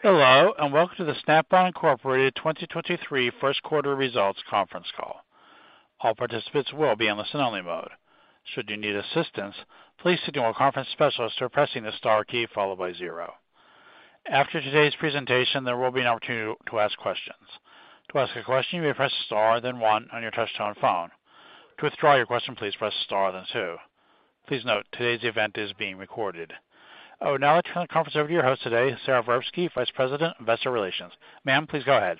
Hello, and welcome to the Snap-on Incorporated 2023 First Quarter Results Conference Call. All participants will be in listen only mode. Should you need assistance, please signal a conference specialist or pressing the star key followed by zero. After today's presentation, there will be an opportunity to ask questions. To ask a question, you may press star then one on your touch-tone phone. To withdraw your question, please press star then two. Please note, today's event is being recorded. I would now like to turn the conference over to your host today, Sara Verbsky, Vice President, Investor Relations. Ma'am, please go ahead.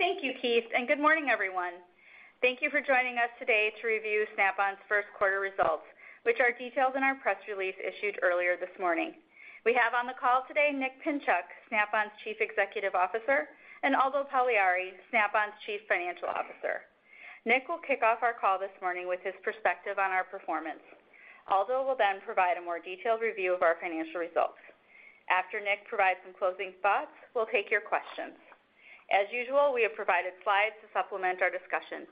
Thank you, Keith. Good morning, everyone. Thank you for joining us today to review Snap-on's first quarter results, which are detailed in our press release issued earlier this morning. We have on the call today Nick Pinchuk, Snap-on's Chief Executive Officer, and Aldo Pagliari, Snap-on's Chief Financial Officer. Nick will kick off our call this morning with his perspective on our performance. Aldo will provide a more detailed review of our financial results. After Nick provides some closing thoughts, we'll take your questions. As usual, we have provided slides to supplement our discussion.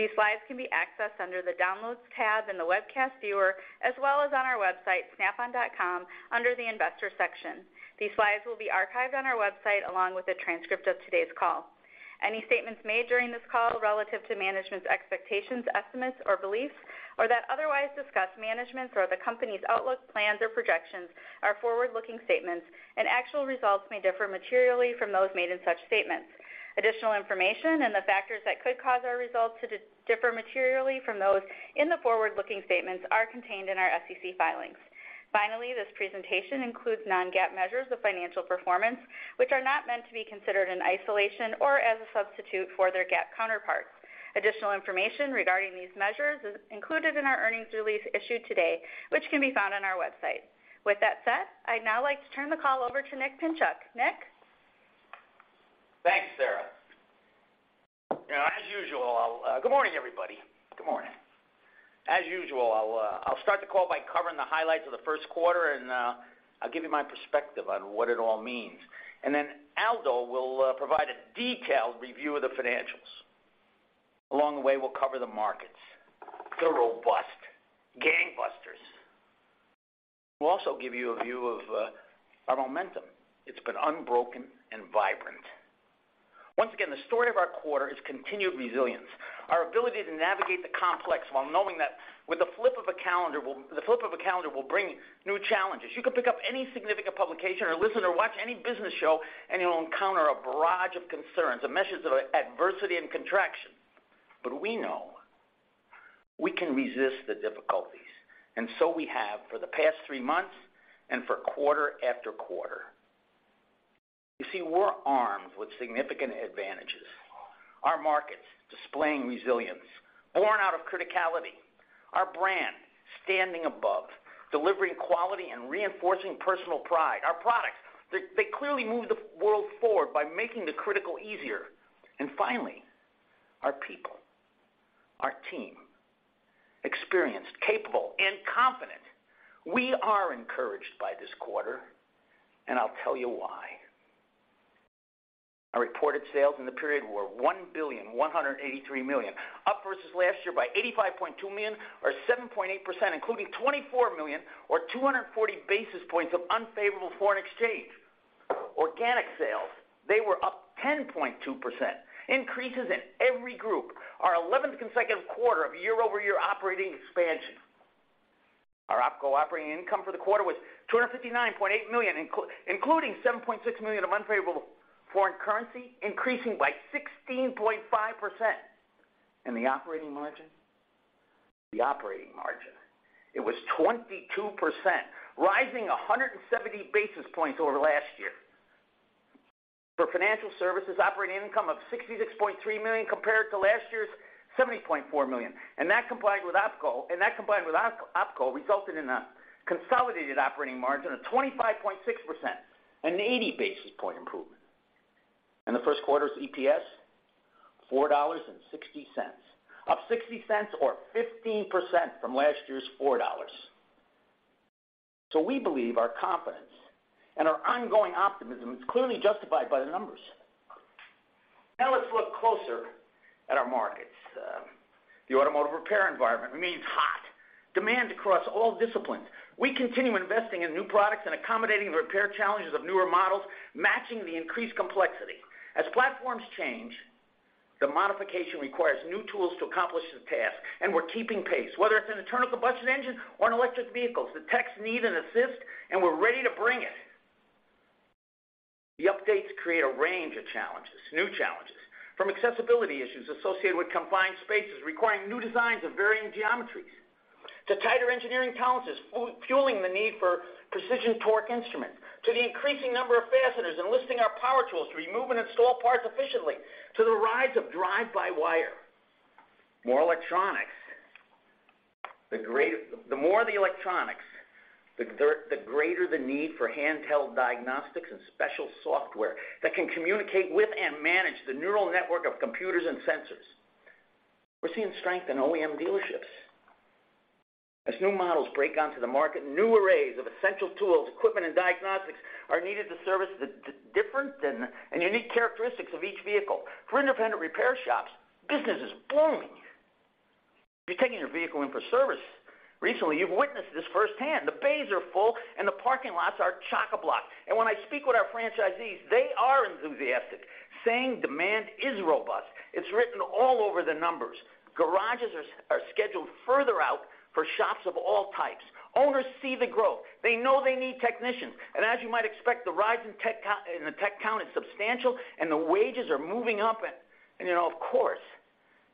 These slides can be accessed under the Downloads tab in the webcast viewer, as well as on our website, snapon.com, under the Investors section. These slides will be archived on our website along with a transcript of today's call. Any statements made during this call relative to management's expectations, estimates, or beliefs, or that otherwise discuss management's or the company's outlook, plans or projections are forward-looking statements, and actual results may differ materially from those made in such statements. Additional information and the factors that could cause our results to differ materially from those in the forward-looking statements are contained in our SEC filings. Finally, this presentation includes non-GAAP measures of financial performance, which are not meant to be considered in isolation or as a substitute for their GAAP counterparts. Additional information regarding these measures is included in our earnings release issued today, which can be found on our website. With that said, I'd now like to turn the call over to Nick Pinchuk. Nick? Thanks, Sara. You know, as usual, I'll Good morning, everybody. Good morning. As usual, I'll I'll start the call by covering the highlights of the first quarter, I'll give you my perspective on what it all means. Then Aldo will provide a detailed review of the financials. Along the way, we'll cover the markets. They're robust. Gangbusters. We'll also give you a view of our momentum. It's been unbroken and vibrant. Once again, the story of our quarter is continued resilience. Our ability to navigate the complex while knowing that with the flip of a calendar will bring new challenges. You can pick up any significant publication or listen or watch any business show, you'll encounter a barrage of concerns, the measures of adversity and contraction. We know we can resist the difficulties, and so we have for the past three months and for quarter after quarter. You see, we're armed with significant advantages. Our markets displaying resilience, born out of criticality. Our brand, standing above, delivering quality and reinforcing personal pride. Our products, they clearly move the world forward by making the critical easier. Finally, our people, our team, experienced, capable, and confident. We are encouraged by this quarter, and I'll tell you why. Our reported sales in the period were $1.183 billion, up versus last year by $85.2 million or 7.8%, including $24 million or 240 basis points of unfavorable foreign exchange. Organic sales, they were up 10.2%, increases in every group, our 11th consecutive quarter of year-over-year operating expansion. Our Opco operating income for the quarter was $259.8 million, including $7.6 million of unfavorable foreign currency, increasing by 16.5%. The operating margin? The operating margin, it was 22%, rising 170 basis points over last year. For financial services, operating income of $66.3 million compared to last year's $70.4 million. That combined with Opco resulted in a consolidated operating margin of 25.6%, an 80 basis point improvement. The first quarter's EPS, $4.60, up $0.60 or 15% from last year's $4. We believe our confidence and our ongoing optimism is clearly justified by the numbers. Let's look closer at our markets. The automotive repair environment remains hot. Demand across all disciplines. We continue investing in new products and accommodating the repair challenges of newer models, matching the increased complexity. As platforms change, the modification requires new tools to accomplish the task, and we're keeping pace. Whether it's an internal combustion engine or an electric vehicles, the techs need an assist, and we're ready to bring it. The updates create a range of challenges, new challenges, from accessibility issues associated with confined spaces requiring new designs of varying geometries, to tighter engineering tolerances fueling the need for precision torque instruments, to the increasing number of fasteners enlisting our power tools to remove and install parts efficiently, to the rise of drive-by-wire. More electronics. The more the electronics, the greater the need for handheld diagnostics and special software that can communicate with and manage the neural network of computers and sensors. We're seeing strength in OEM dealerships. As new models break onto the market, new arrays of essential tools, equipment, and diagnostics are needed to service the different and unique characteristics of each vehicle. For independent repair shops, business is booming. If you're taking your vehicle in for service recently, you've witnessed this firsthand. The bays are full, and the parking lots are chock-a-block. When I speak with our franchisees, they are enthusiastic, saying demand is robust. It's written all over the numbers. Garages are scheduled further out for shops of all types. Owners see the growth. They know they need technicians. As you might expect, the rise in the tech count is substantial, and the wages are moving up, and of course,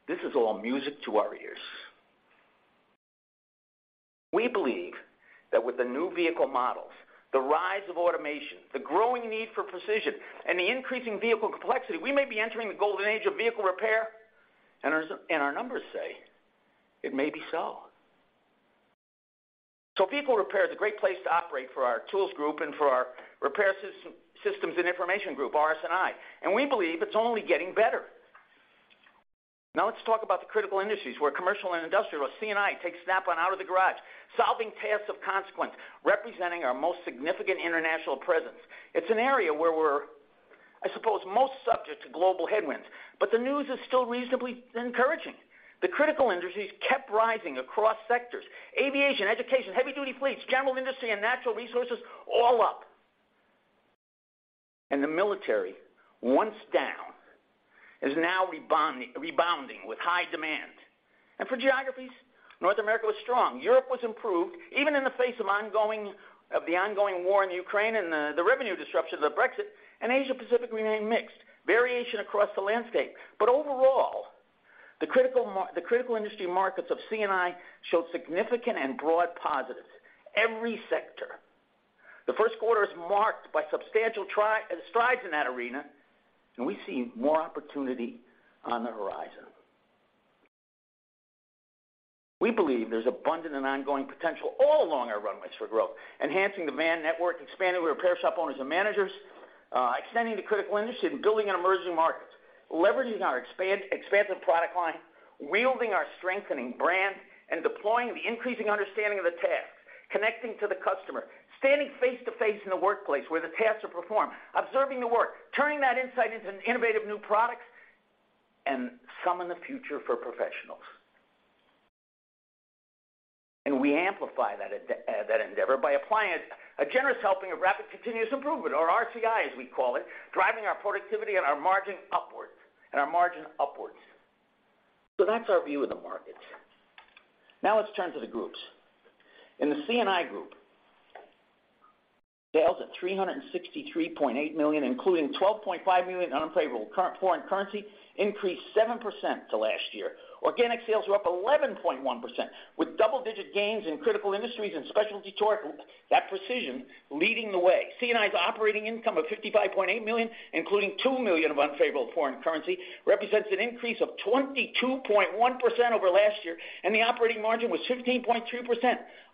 this is all music to our ears. We believe that with the new vehicle models, the rise of automation, the growing need for precision, and the increasing vehicle complexity, we may be entering the golden age of vehicle repair, and our numbers say it may be so. Vehicle repair is a great place to operate for our tools group and for our Repair Systems & Information Group, RS&I. We believe it's only getting better. Let's talk about the critical industries where Commercial & Industrial, or C&I, takes Snap-on out of the garage, solving tasks of consequence, representing our most significant international presence. It's an area where we're, I suppose, most subject to global headwinds, the news is still reasonably encouraging. The critical industries kept rising across sectors. Aviation, education, heavy-duty fleets, general industry, and natural resources all up. The military, once down, is now rebounding with high demand. For geographies, North America was strong. Europe was improved, even in the face of the ongoing war in Ukraine and the revenue disruption of the Brexit. Asia Pacific remained mixed, variation across the landscape. Overall, the critical industry markets of C&I showed significant and broad positives, every sector. The first quarter is marked by substantial strides in that arena, and we see more opportunity on the horizon. We believe there's abundant and ongoing potential all along our runways for growth, enhancing demand network, expanding repair shop owners and managers, extending to critical industry and building in emerging markets, leveraging our expansive product line, wielding our strengthening brand, and deploying the increasing understanding of the task, connecting to the customer, standing face to face in the workplace where the tasks are performed, observing the work, turning that insight into innovative new products, and summon the future for professionals. We amplify that endeavor by applying a generous helping of rapid continuous improvement, or RCI, as we call it, driving our productivity and our margin upwards. That's our view of the market. Now let's turn to the groups. In the C&I Group, sales at $363.8 million, including $12.5 million unfavorable foreign currency, increased 7% to last year. Organic sales were up 11.1%, with double-digit gains in critical industries and Specialty Torque, that precision leading the way. C&I's operating income of $55.8 million, including $2 million of unfavorable foreign currency, represents an increase of 22.1% over last year. The operating margin was 15.2%,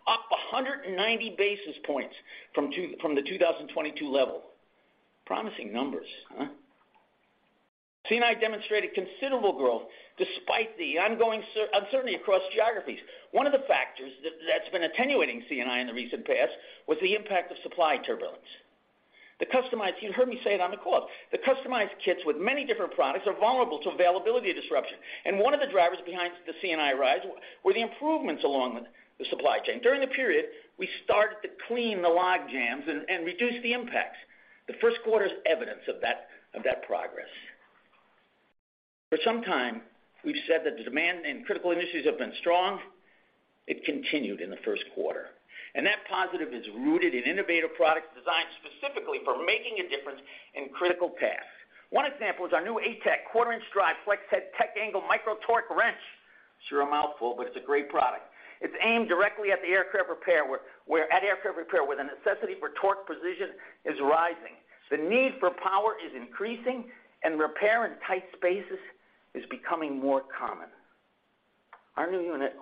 up 190 basis points from the 2022 level. Promising numbers, huh? C&I demonstrated considerable growth despite the ongoing uncertainty across geographies. One of the factors that's been attenuating C&I in the recent past was the impact of supply turbulence. The customized You heard me say it on the call. The customized kits with many different products are vulnerable to availability disruption. One of the drivers behind the C&I rise were the improvements along the supply chain. During the period, we started to clean the logjams and reduce the impacts. The first quarter is evidence of that progress. For some time, we've said that the demand in critical industries have been strong. It continued in the first quarter. That positive is rooted in innovative products designed specifically for making a difference in critical tasks. One example is our new ATECH quarter-inch drive flex head tech angle micro torque wrench. Sure, a mouthful, but it's a great product. It's aimed directly at the aircraft repair where the necessity for torque precision is rising. The need for power is increasing, and repair in tight spaces is becoming more common. Our new unit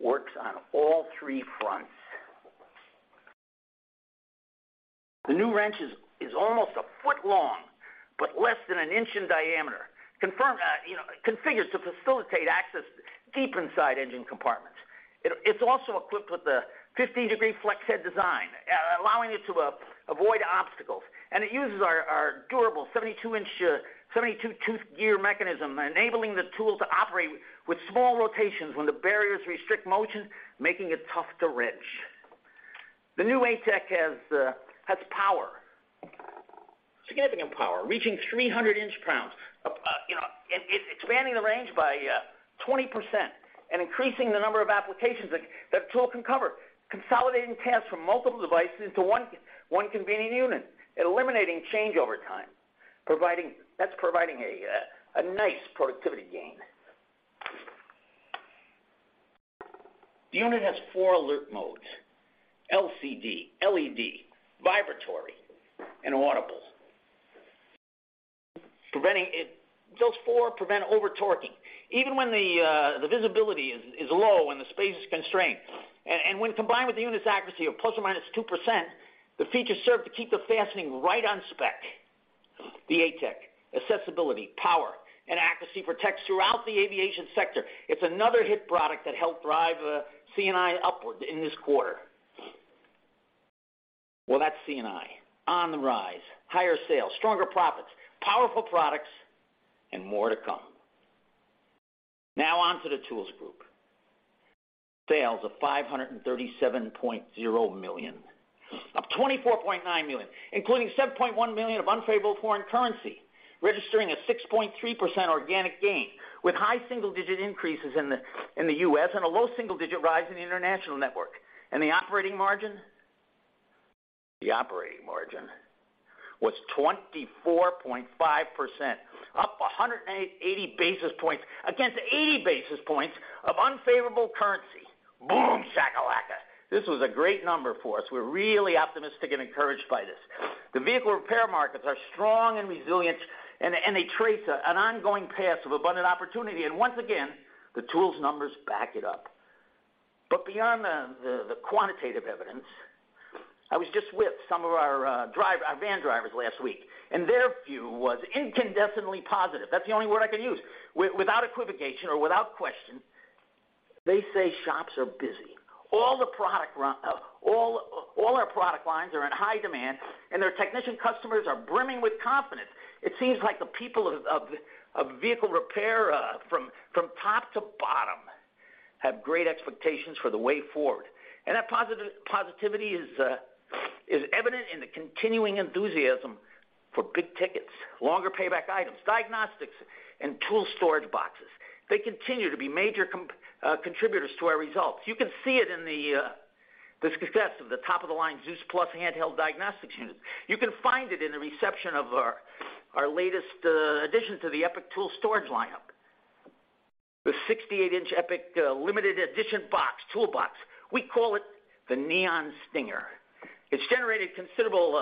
works on all three fronts. The new wrench is almost 1 ft long, but less than 1 in in diameter. Confirm, configured to facilitate access deep inside engine compartments. It's also equipped with a 15-degree flex head design, allowing it to avoid obstacles. It uses our durable 72-in, 72-tooth gear mechanism, enabling the tool to operate with small rotations when the barriers restrict motion, making it tough to wrench. The new ATECH has power, significant power, reaching 300 in-lbs. You know, it's expanding the range by 20% and increasing the number of applications that tool can cover, consolidating tasks from multiple devices into one convenient unit, eliminating changeover time, that's providing a nice productivity gain. The unit has four alert modes: LCD, LED, vibratory, and audible. Those four prevent over-torquing, even when the visibility is low and the space is constrained. When combined with the unit's accuracy of ±2%, the features serve to keep the fastening right on spec. The ATECH, accessibility, power, and accuracy protects throughout the aviation sector. It's another hit product that helped drive C&I upward in this quarter. That's C&I on the rise, higher sales, stronger profits, powerful products, and more to come. On to the Tools Group. Sales of $537.0 million, up $24.9 million, including $7.1 million of unfavorable foreign currency, registering a 6.3% organic gain, with high single-digit increases in the U.S. and a low single-digit rise in the international network. The operating margin? The operating margin was 24.5%, up 180 basis points against 80 basis points of unfavorable currency. Boom Shakalaka! This was a great number for us. We're really optimistic and encouraged by this. The vehicle repair markets are strong and resilient, and they trace an ongoing path of abundant opportunity. Once again, the Tools numbers back it up. Beyond the quantitative evidence, I was just with some of our van drivers last week, and their view was incandescently positive. That's the only word I could use. Without equivocation or without question, they say shops are busy. All our product lines are in high demand, and their technician customers are brimming with confidence. It seems like the people of vehicle repair, from top to bottom have great expectations for the way forward. That positivity is evident in the continuing enthusiasm for big tickets, longer payback items, diagnostics and tool storage boxes. They continue to be major contributors to our results. You can see it in the success of the top-of-the-line ZEUS+ handheld diagnostics unit. You can find it in the reception of our latest addition to the EPIQ Tool Storage lineup, the 68-in EPIQ limited edition box, toolbox. We call it the Neon Stinger. It's generated considerable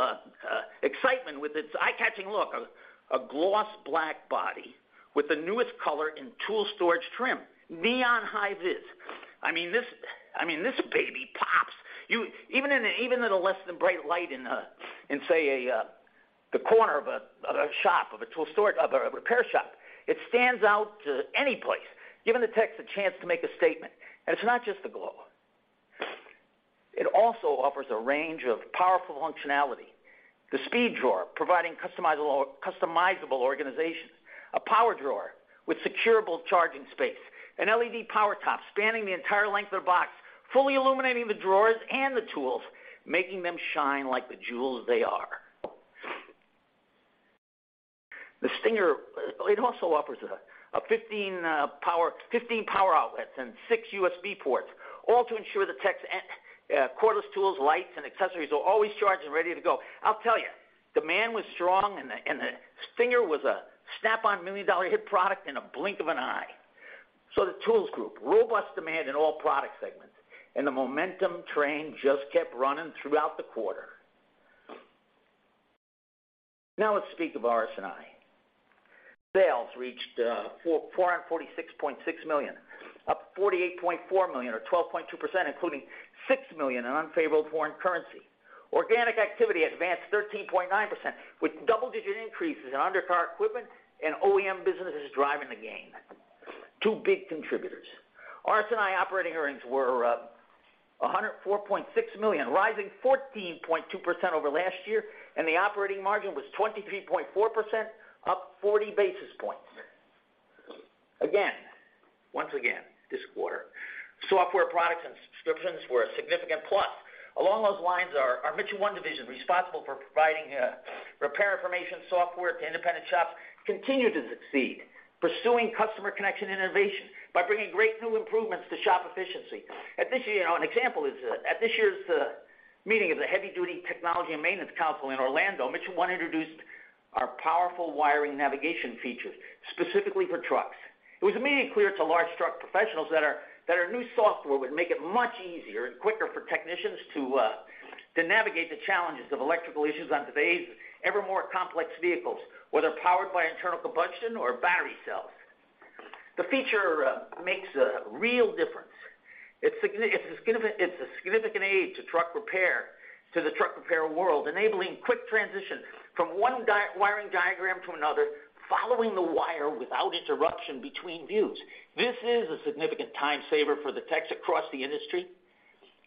excitement with its eye-catching look of a gloss black body with the newest color in tool storage trim, neon hi-vis. I mean, this baby pops. Even in, even in a less than bright light in, say, a corner of a shop, of a repair shop, it stands out to any place, giving the techs a chance to make a statement. It's not just the glow. It also offers a range of powerful functionality. The speed drawer, providing customizable organization, a power drawer with securable charging space, an LED power top spanning the entire length of the box, fully illuminating the drawers and the tools, making them shine like the jewels they are. The Stinger, it also offers 15 power outlets and six USB ports, all to ensure the tech's cordless tools, lights, and accessories are always charged and ready to go. I'll tell you, demand was strong and the Stinger was a Snap-on million-dollar hit product in a blink of an eye. The Tools Group, robust demand in all product segments, and the momentum train just kept running throughout the quarter. Let's speak of RS&I. Sales reached $446.6 million, up $48.4 million or 12.2%, including $6 million in unfavorable foreign currency. Organic activity advanced 13.9%, with double-digit increases in undercar equipment and OEM businesses driving the gain. Two big contributors. RS&I operating earnings were $104.6 million, rising 14.2% over last year, and the operating margin was 23.4%, up 40 basis points. Once again this quarter, software products and subscriptions were a significant plus. Along those lines, our Mitchell 1 division, responsible for providing repair information software to independent shops, continued to succeed, pursuing customer connection innovation by bringing great new improvements to shop efficiency. You know, an example is at this year's meeting of the Heavy-Duty Technology & Maintenance Council in Orlando, Mitchell 1 introduced our powerful wiring navigation features specifically for trucks. It was immediately clear to large truck professionals that our new software would make it much easier and quicker for technicians to navigate the challenges of electrical issues on today's ever more complex vehicles, whether powered by internal combustion or battery cells. The feature makes a real difference. It's a significant aid to the truck repair world, enabling quick transition from one wiring diagram to another, following the wire without interruption between views. This is a significant time saver for the techs across the industry,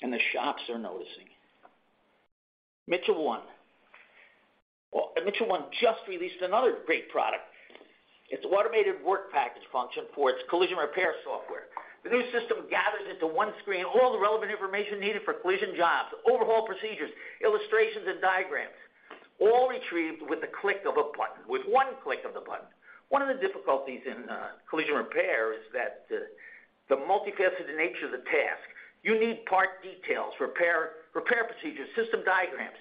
and the shops are noticing. Mitchell 1. Mitchell 1 just released another great product. It's automated work package function for its collision repair software. The new system gathers into one screen all the relevant information needed for collision jobs, overhaul procedures, illustrations, and diagrams, all retrieved with the click of a button, with one click of the button. One of the difficulties in collision repair is that the multifaceted nature of the task, you need part details, repair procedures, system diagrams,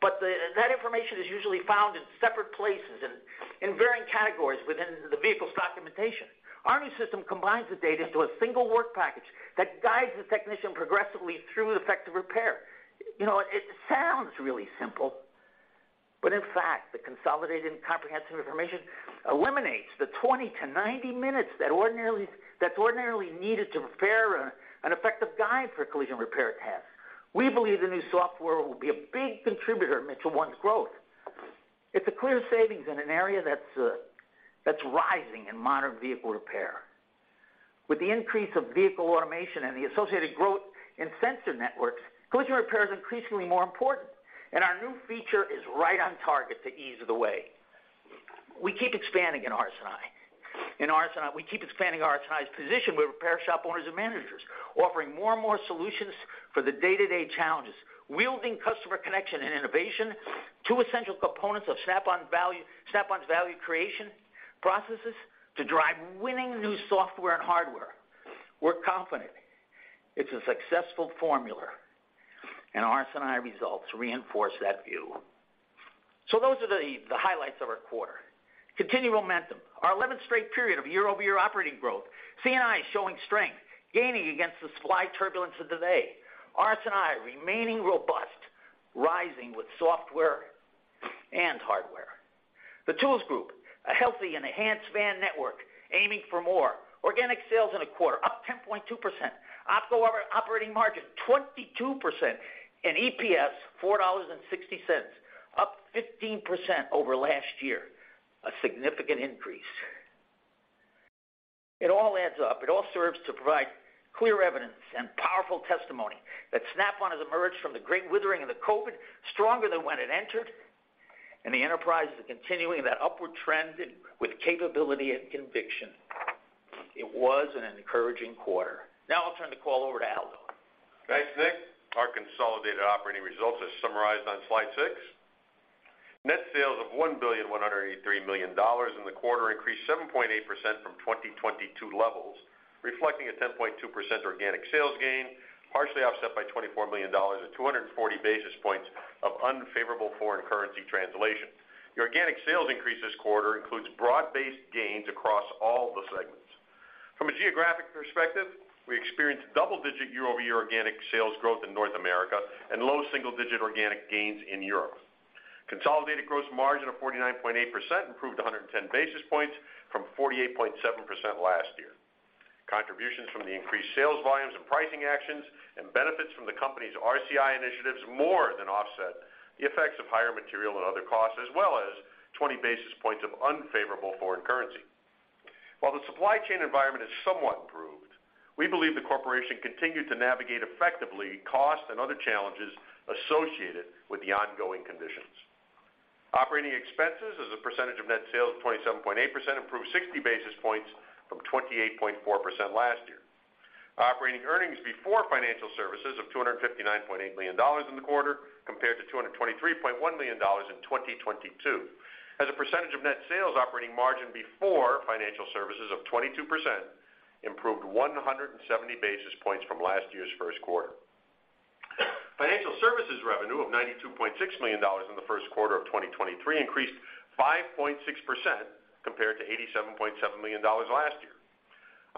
but that information is usually found in separate places, in varying categories within the vehicle's documentation. Our new system combines the data into a single work package that guides the technician progressively through effective repair. You know, it sounds really simple, but in fact, the consolidated and comprehensive information eliminates the 20-90 minutes that's ordinarily needed to prepare an effective guide for a collision repair task. We believe the new software will be a big contributor to Mitchell 1's growth. It's a clear savings in an area that's rising in modern vehicle repair. With the increase of vehicle automation and the associated growth in sensor networks, collision repair is increasingly more important, and our new feature is right on target to ease the way. We keep expanding in RS&I. In RS&I, we keep expanding RS&I's position with repair shop owners and managers, offering more and more solutions for the day-to-day challenges, wielding customer connection and innovation, two essential components of Snap-on's value creation processes to drive winning new software and hardware. We're confident it's a successful formula, and RS&I results reinforce that view. Those are the highlights of our quarter. Continued momentum. Our eleventh straight period of year-over-year operating growth. C&I is showing strength, gaining against the supply turbulence of today. RS&I remaining robust, rising with software and hardware. The Tools Group, a healthy and enhanced van network aiming for more. Organic sales in a quarter up 10.2%. Opco operating margin 22% and EPS $4.60, up 15% over last year, a significant increase. It all adds up. It all serves to provide clear evidence and powerful testimony that Snap-on has emerged from the great withering of the COVID stronger than when it entered, and the enterprise is continuing that upward trend with capability and conviction. It was an encouraging quarter. Now I'll turn the call over to Aldo. Thanks, Nick. Our consolidated operating results are summarized on slide six. Net sales of $1.183 billion in the quarter increased 7.8% from 2022 levels, reflecting a 10.2% organic sales gain, partially offset by $24 million at 240 basis points of unfavorable foreign currency translation. The organic sales increase this quarter includes broad-based gains across all the segments. From a geographic perspective, we experienced double-digit year-over-year organic sales growth in North America and low single-digit organic gains in Europe. Consolidated gross margin of 49.8% improved 110 basis points from 48.7% last year. Contributions from the increased sales volumes and pricing actions and benefits from the company's RCI initiatives more than offset the effects of higher material and other costs, as well as 20 basis points of unfavorable foreign currency. While the supply chain environment has somewhat improved, we believe the corporation continued to navigate effectively cost and other challenges associated with the ongoing conditions. Operating expenses as a percentage of net sales of 27.8% improved 60 basis points from 28.4% last year. Operating earnings before financial services of $259.8 million in the quarter compared to $223.1 million in 2022. As a percentage of net sales, operating margin before financial services of 22% improved 170 basis points from last year's first quarter. Financial services revenue of $92.6 million in the first quarter of 2023 increased 5.6% compared to $87.7 million last year.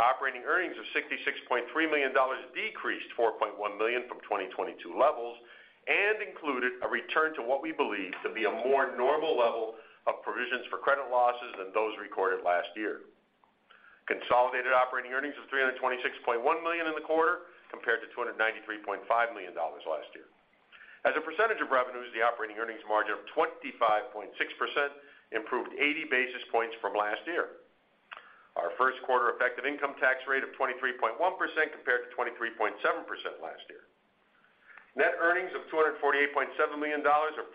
Operating earnings of $66.3 million decreased $4.1 million from 2022 levels and included a return to what we believe to be a more normal level of provisions for credit losses than those recorded last year. Consolidated operating earnings of $326.1 million in the quarter compared to $293.5 million last year. As a percentage of revenues, the operating earnings margin of 25.6% improved 80 basis points from last year. Our first quarter effective income tax rate of 23.1% compared to 23.7% last year. Net earnings of $248.7 million, or $4.60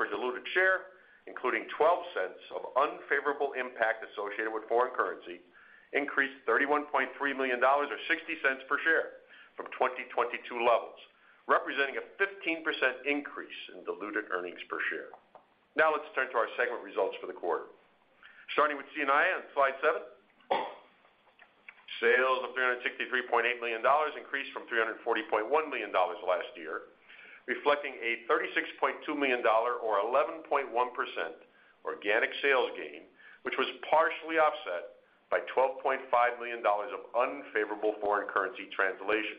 per diluted share, including $0.12 of unfavorable impact associated with foreign currency, increased $31.3 million or $0.60 per share from 2022 levels, representing a 15% increase in diluted earnings per share. Let's turn to our segment results for the quarter. Starting with C&I on slide seven, sales of $363.8 million increased from $340.1 million last year, reflecting a $36.2 million or 11.1% organic sales gain, which was partially offset by $12.5 million of unfavorable foreign currency translation.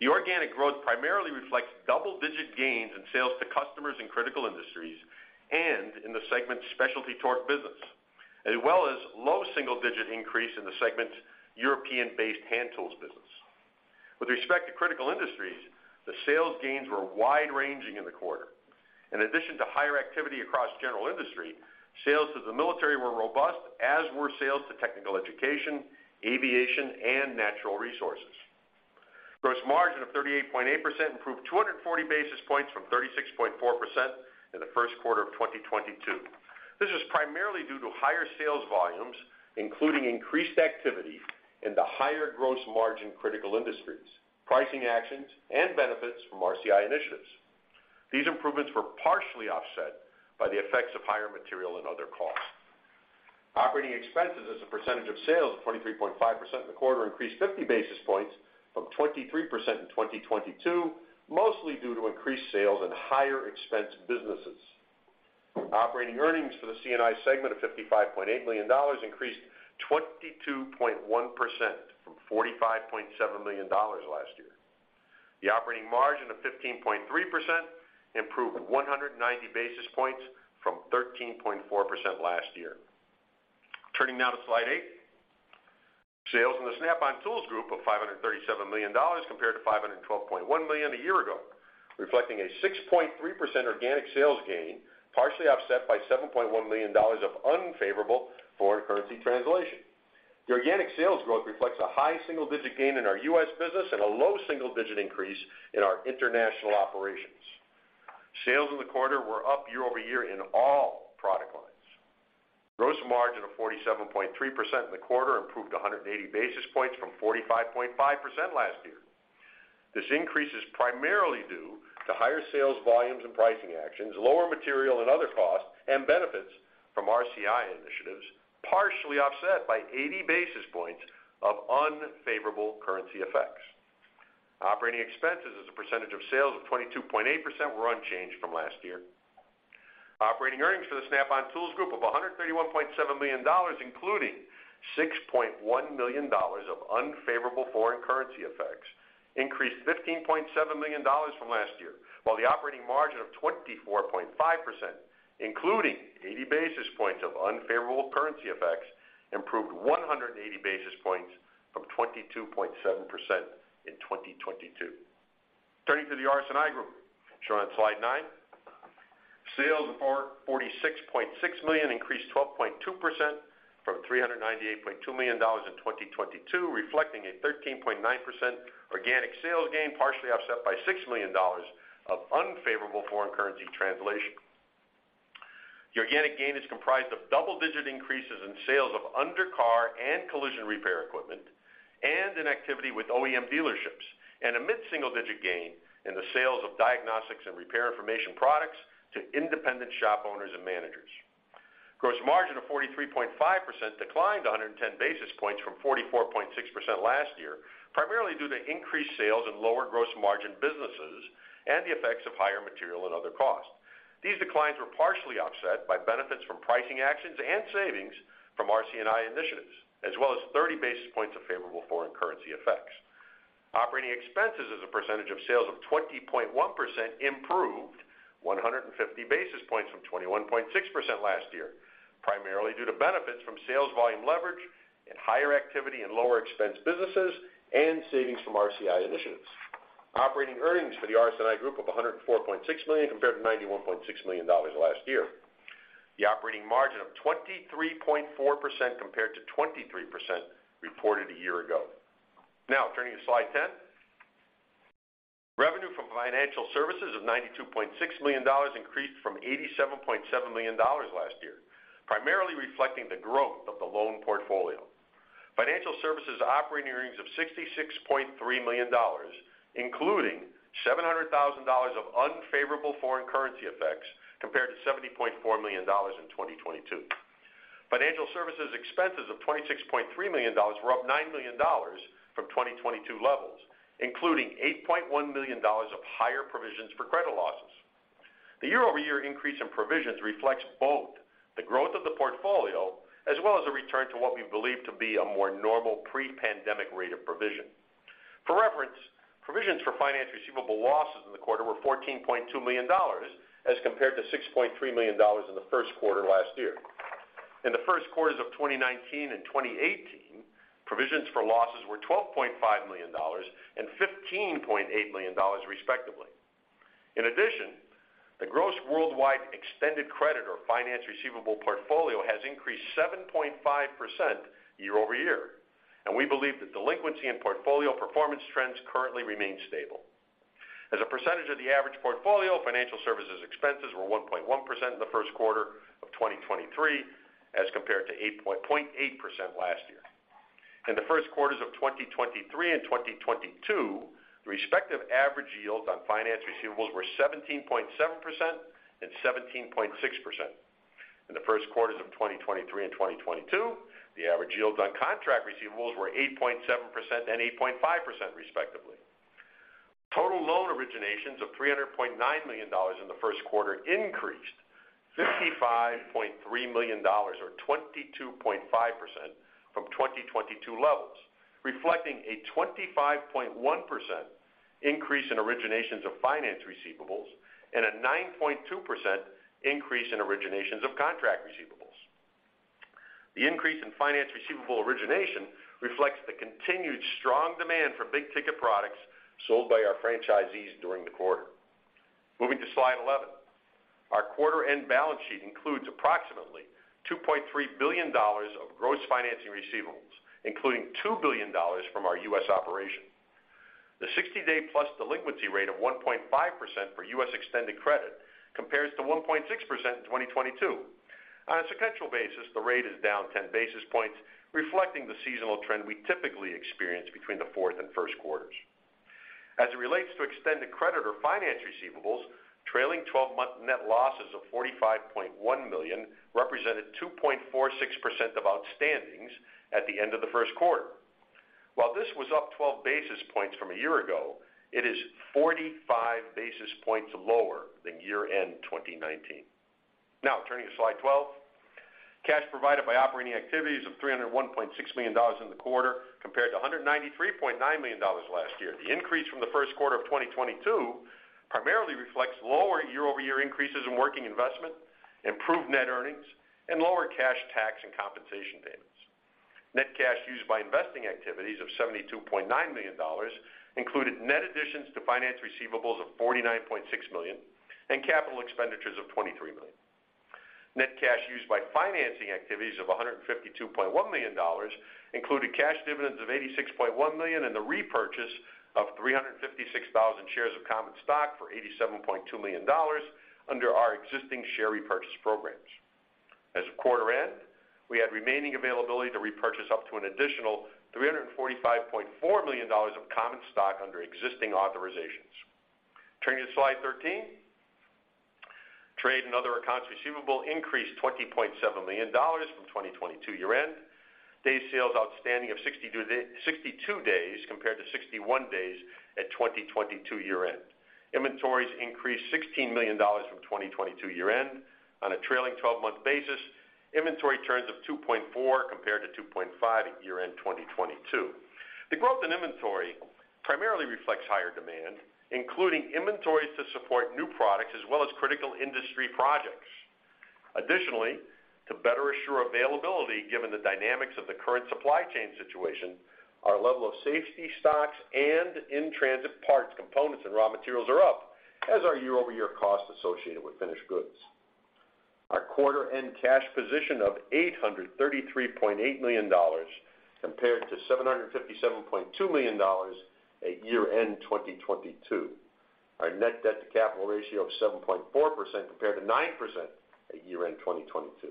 The organic growth primarily reflects double-digit gains in sales to customers in critical industries and in the segment's Specialty Torque business, as well as low single-digit increase in the segment's European-based hand tools business. With respect to critical industries, the sales gains were wide-ranging in the quarter. In addition to higher activity across general industry, sales to the military were robust, as were sales to technical education, aviation, and natural resources. Gross margin of 38.8% improved 240 basis points from 36.4% in the first quarter of 2022. This is primarily due to higher sales volumes, including increased activity in the higher gross margin critical industries, pricing actions, and benefits from RCI initiatives. These improvements were partially offset by the effects of higher material and other costs. Operating expenses as a percentage of sales of 23.5% in the quarter increased 50 basis points from 23% in 2022, mostly due to increased sales in higher expense businesses. Operating earnings for the C&I segment of $55.8 million increased 22.1% from $45.7 million last year. The operating margin of 15.3% improved 190 basis points from 13.4% last year. Turning now to slide eight, sales in the Snap-on Tools Group of $537 million compared to $512.1 million a year ago. Reflecting a 6.3% organic sales gain, partially offset by $7.1 million of unfavorable foreign currency translation. The organic sales growth reflects a high single-digit gain in our U.S. business and a low single-digit increase in our international operations. Sales in the quarter were up year-over-year in all product lines. Gross margin of 47.3% in the quarter improved 180 basis points from 45.5% last year. This increase is primarily due to higher sales volumes and pricing actions, lower material and other costs, and benefits from RCI initiatives, partially offset by 80 basis points of unfavorable currency effects. Operating expenses as a percentage of sales of 22.8% were unchanged from last year. Operating earnings for the Snap-on Tools Group of $131.7 million, including $6.1 million of unfavorable foreign currency effects, increased $15.7 million from last year. While the operating margin of 24.5%, including 80 basis points of unfavorable currency effects, improved 180 basis points from 22.7% in 2022. Turning to the RS&I group shown on slide nine. Sales of $446.6 million increased 12.2% from $398.2 million in 2022, reflecting a 13.9% organic sales gain, partially offset by $6 million of unfavorable foreign currency translation. The organic gain is comprised of double-digit increases in sales of under car and collision repair equipment and in activity with OEM dealerships, and a mid-single-digit gain in the sales of diagnostics and repair information products to independent shop owners and managers. Gross margin of 43.5% declined 110 basis points from 44.6% last year, primarily due to increased sales in lower gross margin businesses and the effects of higher material and other costs. These declines were partially offset by benefits from pricing actions and savings from RCI initiatives, as well as 30 basis points of favorable foreign currency effects. Operating expenses as a percentage of sales of 20.1% improved 150 basis points from 21.6% last year, primarily due to benefits from sales volume leverage and higher activity in lower expense businesses and savings from RCI initiatives. Operating earnings for the RS&I group of $104.6 million compared to $91.6 million last year. The operating margin of 23.4% compared to 23% reported a year ago. Now turning to slide 10. Revenue from financial services of $92.6 million increased from $87.7 million last year, primarily reflecting the growth of the loan portfolio. Financial services operating earnings of $66.3 million, including $700,000 of unfavorable foreign currency effects, compared to $70.4 million in 2022. Financial services expenses of $26.3 million were up $9 million from 2022 levels, including $8.1 million of higher provisions for credit losses. The year-over-year increase in provisions reflects both the growth of the portfolio as well as a return to what we believe to be a more normal pre-pandemic rate of provision. For reference, provisions for finance receivable losses in the quarter were $14.2 million, as compared to $6.3 million in the first quarter last year. In the first quarters of 2019 and 2018, provisions for losses were $12.5 million and $15.8 million, respectively. In addition, the gross worldwide extended credit or finance receivable portfolio has increased 7.5% year-over-year, and we believe that delinquency and portfolio performance trends currently remain stable. As a percentage of the average portfolio, financial services expenses were 1.1% in the first quarter of 2023 as compared to 0.8% last year. In the first quarters of 2023 and 2022, the respective average yields on finance receivables were 17.7% and 17.6%. In the 1st quarters of 2023 and 2022, the average yields on contract receivables were 8.7% and 8.5%, respectively. Total loan originations of $300.9 million in the 1st quarter increased $55.3 million or 22.5% from 2022 levels, reflecting a 25.1% increase in originations of finance receivables and a 9.2% increase in originations of contract receivables. The increase in finance receivable origination reflects the continued strong demand for big ticket products sold by our franchisees during the quarter. Moving to slide 11. Our quarter end balance sheet includes approximately $2.3 billion of gross financing receivables, including $2 billion from our U.S. operations. The 60-day plus delinquency rate of 1.5% for U.S. extended credit compares to 1.6% in 2022. On a sequential basis, the rate is down 10 basis points, reflecting the seasonal trend we typically experience between the fourth and first quarters. As it relates to extended credit or finance receivables, trailing 12-month net losses of $45.1 million represented 2.46% of outstandings at the end of the first quarter. While this was up 12 basis points from a year ago, it is 45 basis points lower than year-end 2019. Turning to slide 12. Cash provided by operating activities of $301.6 million in the quarter compared to $193.9 million last year. The increase from the first quarter of 2022 primarily reflects lower year-over-year increases in working investment, improved net earnings, and lower cash tax and compensation payments. Net cash used by investing activities of $72.9 million included net additions to finance receivables of $49.6 million and capital expenditures of $23 million. Net cash used by financing activities of $152.1 million included cash dividends of $86.1 million and the repurchase of 356,000 shares of common stock for $87.2 million under our existing share repurchase programs. As of quarter end, we had remaining availability to repurchase up to an additional $345.4 million of common stock under existing authorizations. Turning to slide 13. Trade and other accounts receivable increased $20.7 million from 2022 year-end. Day sales outstanding of 62 days compared to 61 days at 2022 year-end. Inventories increased $16 million from 2022 year-end. On a trailing 12-month basis, inventory turns of 2.4 compared to 2.5 at year-end 2022. The growth in inventory primarily reflects higher demand, including inventories to support new products as well as critical industry projects. Additionally, to better assure availability given the dynamics of the current supply chain situation, our level of safety stocks and in-transit parts, components, and raw materials are up as are year-over-year costs associated with finished goods. Our quarter-end cash position of $833.8 million compared to $757.2 million at year-end 2022. Our net debt to capital ratio of 7.4% compared to 9% at year-end 2022.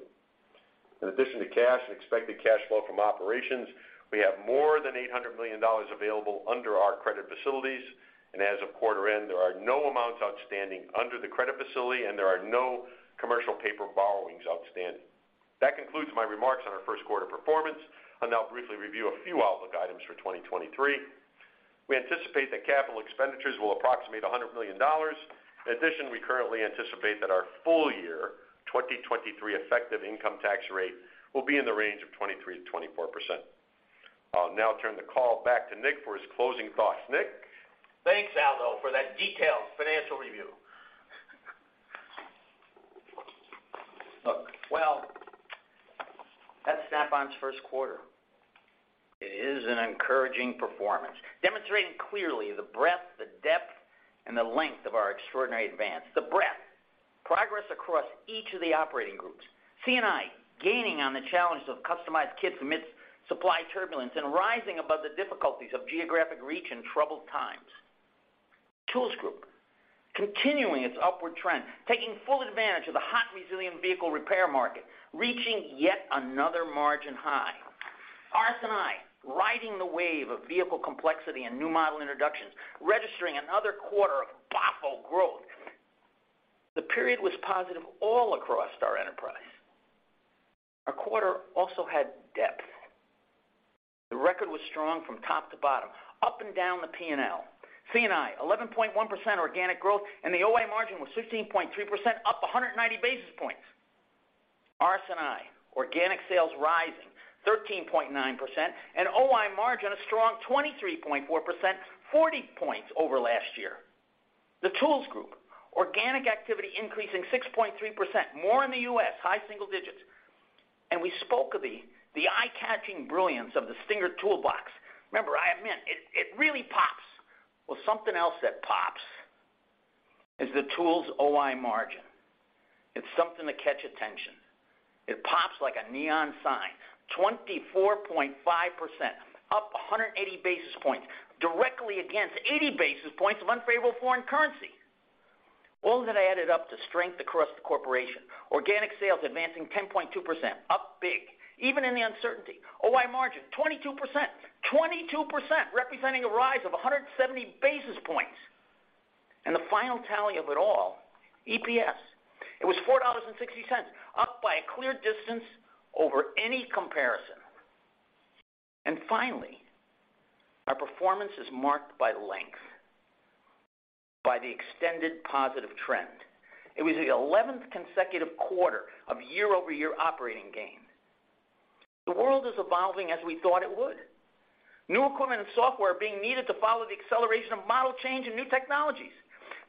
In addition to cash and expected cash flow from operations, we have more than $800 million available under our credit facilities. As of quarter end, there are no amounts outstanding under the credit facility and there are no commercial paper borrowings outstanding. That concludes my remarks on our first quarter performance. I'll now briefly review a few outlook items for 2023. We anticipate that capital expenditures will approximate $100 million. In addition, we currently anticipate that our full year 2023 effective income tax rate will be in the range of 23%-24%. I'll now turn the call back to Nick for his closing thoughts. Nick? Thanks, Aldo, for that detailed financial review. Well, that's Snap-on's first quarter. It is an encouraging performance, demonstrating clearly the breadth, the depth, and the length of our extraordinary advance. The breadth, progress across each of the operating groups. C&I, gaining on the challenges of customized kits amidst supply turbulence and rising above the difficulties of geographic reach in troubled times. The Tools Group, continuing its upward trend, taking full advantage of the hot, resilient vehicle repair market, reaching yet another margin high. RS&I, riding the wave of vehicle complexity and new model introductions, registering another quarter of boffo growth. The period was positive all across our enterprise. Our quarter also had depth. The record was strong from top to bottom, up and down the P&L. C&I, 11.1% organic growth, the OI margin was 16.3%, up 190 basis points. RS&I, organic sales rising 13.9%, OI margin a strong 23.4%, 40 points over last year. The Tools Group, organic activity increasing 6.3%, more in the US, high single digits. We spoke of the eye-catching brilliance of the Stinger toolbox. Remember, I admit it really pops. Well, something else that pops is the Tools OI margin. It's something to catch attention. It pops like a neon sign, 24.5%, up 180 basis points, directly against 80 basis points of unfavorable foreign currency. All of that added up to strength across the corporation. Organic sales advancing 10.2%, up big, even in the uncertainty. OI margin, 22%. 22%, representing a rise of 170 basis points. The final tally of it all, EPS. It was $4.60, up by a clear distance over any comparison. Finally, our performance is marked by length, by the extended positive trend. It was the 11th consecutive quarter of year-over-year operating gains. The world is evolving as we thought it would. New equipment and software are being needed to follow the acceleration of model change and new technologies.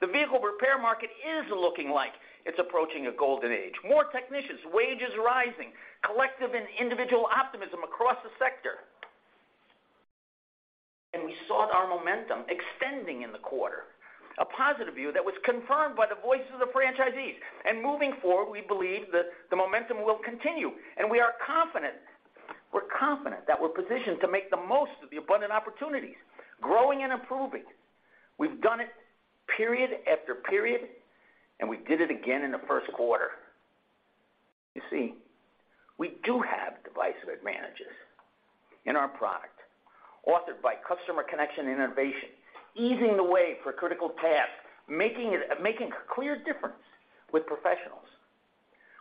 The vehicle repair market is looking like it's approaching a golden age. More technicians, wages rising, collective and individual optimism across the sector. We sought our momentum extending in the quarter, a positive view that was confirmed by the voices of the franchisees. Moving forward, we believe that the momentum will continue, and we're confident that we're positioned to make the most of the abundant opportunities, growing and improving. We've done it period after period. We did it again in the first quarter. You see, we do have decisive advantages in our product, authored by customer connection and innovation, easing the way for critical tasks, making a clear difference with professionals.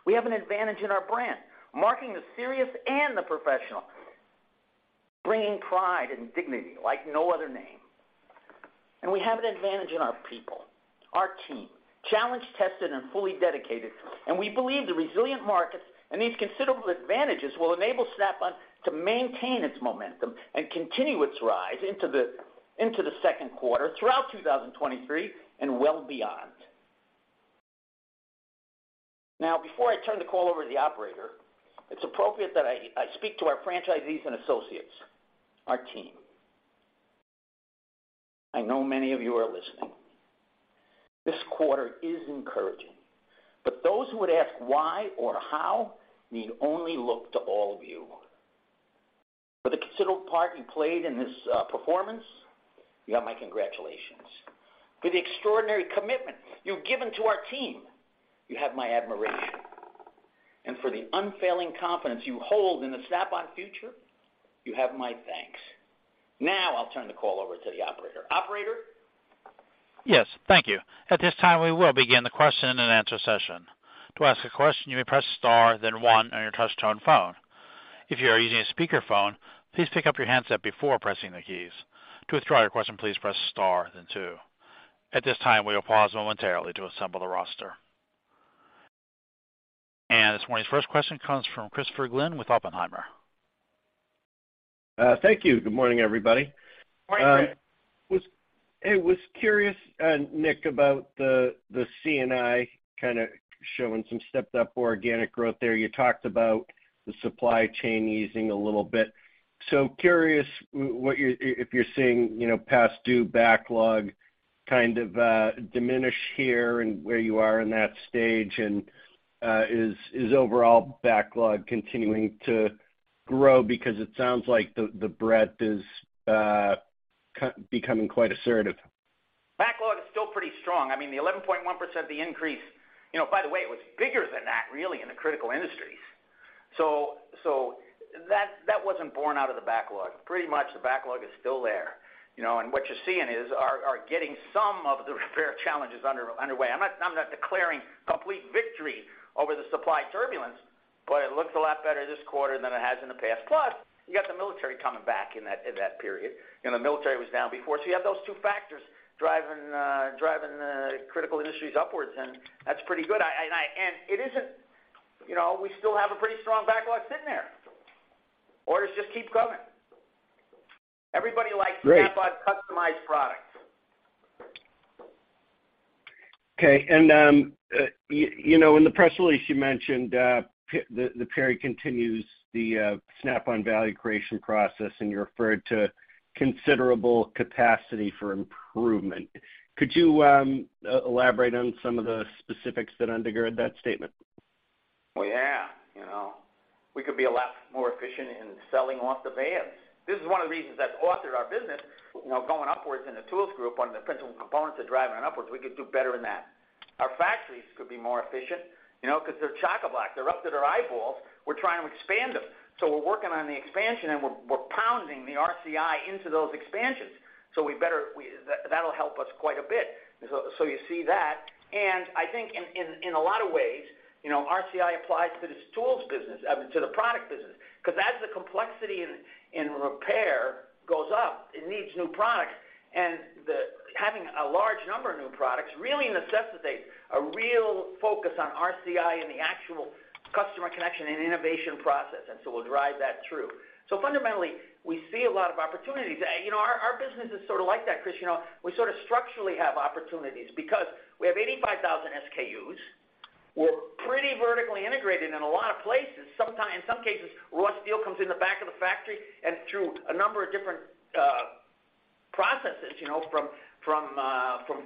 We have an advantage in our brand, marking the serious and the professional, bringing pride and dignity like no other name. We have an advantage in our people, our team, challenge-tested and fully dedicated, and we believe the resilient markets and these considerable advantages will enable Snap-on to maintain its momentum and continue its rise into the second quarter, throughout 2023, and well beyond. Now, before I turn the call over to the operator, it's appropriate that I speak to our franchisees and associates, our team. I know many of you are listening. This quarter is encouraging, but those who would ask why or how need only look to all of you. For the considerable part you played in this performance, you have my congratulations. For the extraordinary commitment you've given to our team, you have my admiration. For the unfailing confidence you hold in the Snap-on future, you have my thanks. Now I'll turn the call over to the operator. Operator? Yes, thank you. At this time, we will begin the question and answer session. To ask a question, you may press star then one on your touch-tone phone. If you are using a speaker phone, please pick up your handset before pressing the keys. To withdraw your question, please press star then two. At this time, we will pause momentarily to assemble the roster. This morning's first question comes from Christopher Glynn with Oppenheimer. Thank you. Good morning, everybody. Morning, Chris. Was curious, Nick, about the C&I kinda showing some stepped up organic growth there. You talked about the supply chain easing a little bit. Curious what you're, if you're seeing, you know, past due backlog kind of diminish here and where you are in that stage? Is overall backlog continuing to grow? It sounds like the breadth is becoming quite assertive. Backlog is still pretty strong. I mean, the 11.1%, the increase, you know, by the way, it was bigger than that really in the critical industries. That wasn't born out of the backlog. Pretty much the backlog is still there, you know. What you're seeing are getting some of the repair challenges under way. I'm not declaring complete victory over the supply turbulence, but it looks a lot better this quarter than it has in the past. Plus, you got the military coming back in that period, and the military was down before. You have those two factors driving the critical industries upwards, and that's pretty good. It isn't, you know, we still have a pretty strong backlog sitting there. Orders just keep coming. Everybody likes- Great. Snap-on's customized products. Okay. You know, in the press release you mentioned, the period continues the Snap-on value creation process, and you referred to considerable capacity for improvement. Could you elaborate on some of the specifics that undergird that statement? Well, yeah. You know, we could be a lot more efficient in selling off the vans. This is one of the reasons that authored our business, you know, going upwards in the Tools Group on the principal components of driving it upwards, we could do better than that. Our factories could be more efficient, you know, 'cause they're chock-a-block. They're up to their eyeballs. We're trying to expand them. We're working on the expansion, and we're pounding the RCI into those expansions. We better that'll help us quite a bit. You see that. I think in, in a lot of ways, you know, RCI applies to this tools business, I mean, to the product business. 'Cause as the complexity in repair goes up, it needs new products. Having a large number of new products really necessitates a real focus on RCI and the actual customer connection and innovation process. We'll drive that through. Fundamentally, we see a lot of opportunities. You know, our business is sort of like that, Chris, you know. We sort of structurally have opportunities because we have 85,000 SKUs. We're pretty vertically integrated in a lot of places. In some cases, raw steel comes in the back of the factory and through a number of different processes, you know, from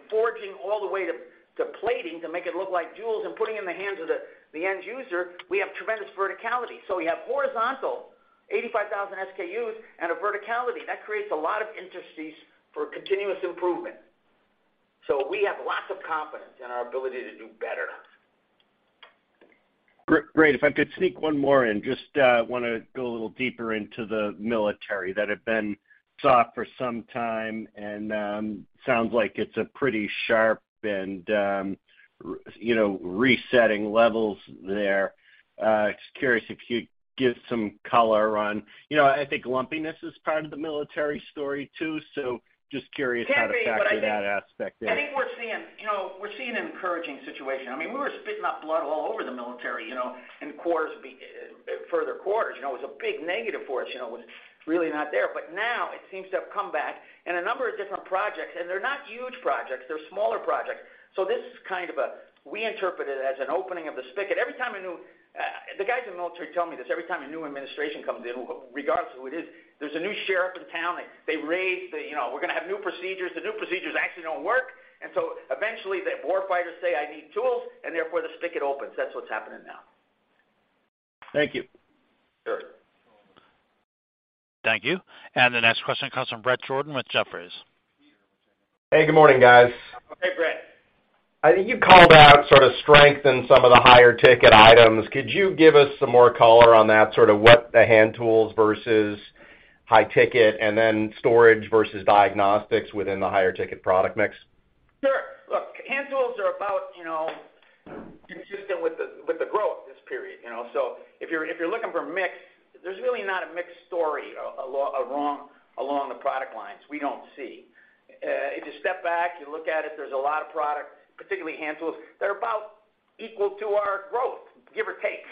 forging all the way to plating to make it look like jewels and putting in the hands of the end user, we have tremendous verticality. We have horizontal 85,000 SKUs and a verticality. That creates a lot of interstices for continuous improvement. We have lots of confidence in our ability to do better. Great. If I could sneak one more in, just, wanna go a little deeper into the military that had been soft for some time, and, sounds like it's a pretty sharp and, you know, resetting levels there. Just curious if you'd give some color on. You know, I think lumpiness is part of the military story too, just curious how to factor that aspect in. Can be. I think we're seeing, you know, we're seeing an encouraging situation. I mean, we were spitting up blood all over the military, you know, in further quarters. You know, it was a big negative for us, you know. It was really not there. Now it seems to have come back in a number of different projects, and they're not huge projects. They're smaller projects. This is kind of a, we interpret it as an opening of the spigot. Every time a new, the guys in the military tell me this. Every time a new administration comes in, regardless of who it is, there's a new sheriff in town. They raise the, you know, we're gonna have new procedures. The new procedures actually don't work. Eventually the war fighters say, "I need tools," and therefore the spigot opens. That's what's happening now. Thank you. Sure. Thank you. The next question comes from Bret Jordan with Jefferies. Hey, good morning, guys. Hey, Bret. I think you called out sort of strength in some of the higher ticket items. Could you give us some more color on that, sort of what the hand tools versus high ticket and then storage versus diagnostics within the higher ticket product mix? Sure. Look, hand tools are about, you know, consistent with the growth this period, you know. If you're, if you're looking for mix, there's really not a mix story along the product lines. We don't see. If you step back, you look at it, there's a lot of product, particularly hand tools, that are about equal to our growth, give or take.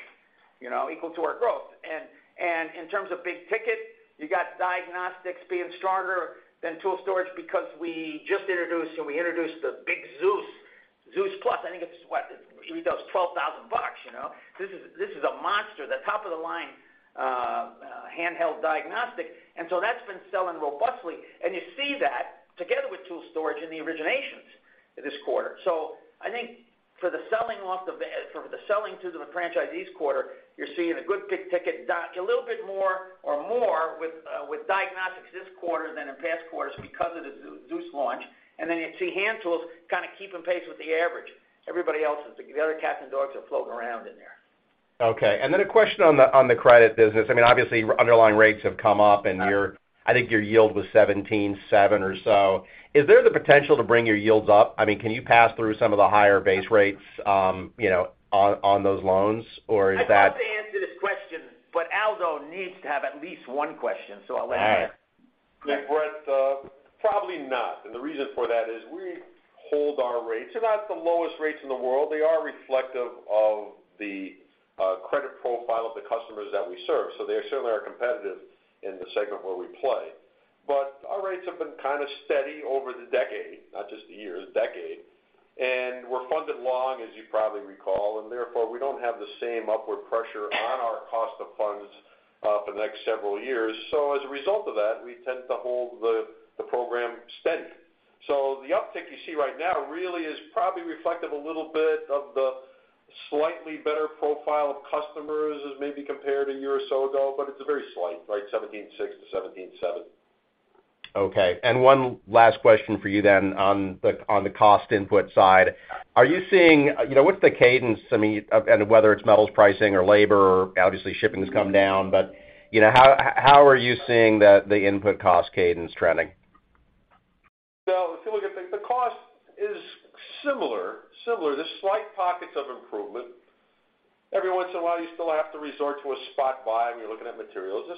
You know, equal to our growth. In terms of big ticket, you got diagnostics being stronger than tool storage because we just introduced, so we introduced the big ZEUS+, I think it's what? Retails $12,000, you know. This is a monster, the top of the line handheld diagnostic. That's been selling robustly. You see that together with tool storage in the originations this quarter. I think for the selling to the franchisees quarter, you're seeing a good big ticket doc, a little bit more with diagnostics this quarter than in past quarters because of the ZEUS launch. You see hand tools kind of keeping pace with the average. Everybody else is, the other cats and dogs are floating around in there. Okay. Then a question on the credit business. I mean, obviously underlying rates have come up and your, I think your yield was 17.7% or so. Is there the potential to bring your yields up? I mean, can you pass through some of the higher base rates, you know, on those loans? Or is that. I'd love to answer this question, but Aldo needs to have at least one question, so I'll let him answer. All right. Go ahead. Nick, Bret, probably not. The reason for that is we hold our rates. They're not the lowest rates in the world. They are reflective of the credit profile of the customers that we serve. They certainly are competitive in the segment where we play. Our rates have been kind of steady over the decade, not just the years, the decade. We're funded long, as you probably recall, and therefore, we don't have the same upward pressure on our cost of funds for the next several years. As a result of that, we tend to hold the program steady. The uptick you see right now really is probably reflective a little bit of the slightly better profile of customers as maybe compared a year or so ago, but it's a very slight, right, 17.6%-17.7%. Okay. One last question for you then on the cost input side. Are you seeing, you know, what's the cadence, I mean, and whether it's metals pricing or labor, obviously shipping has come down, but, you know, how are you seeing the input cost cadence trending? If you look at the cost is similar. There's slight pockets of improvement. Every once in a while, you still have to resort to a spot buy when you're looking at materials.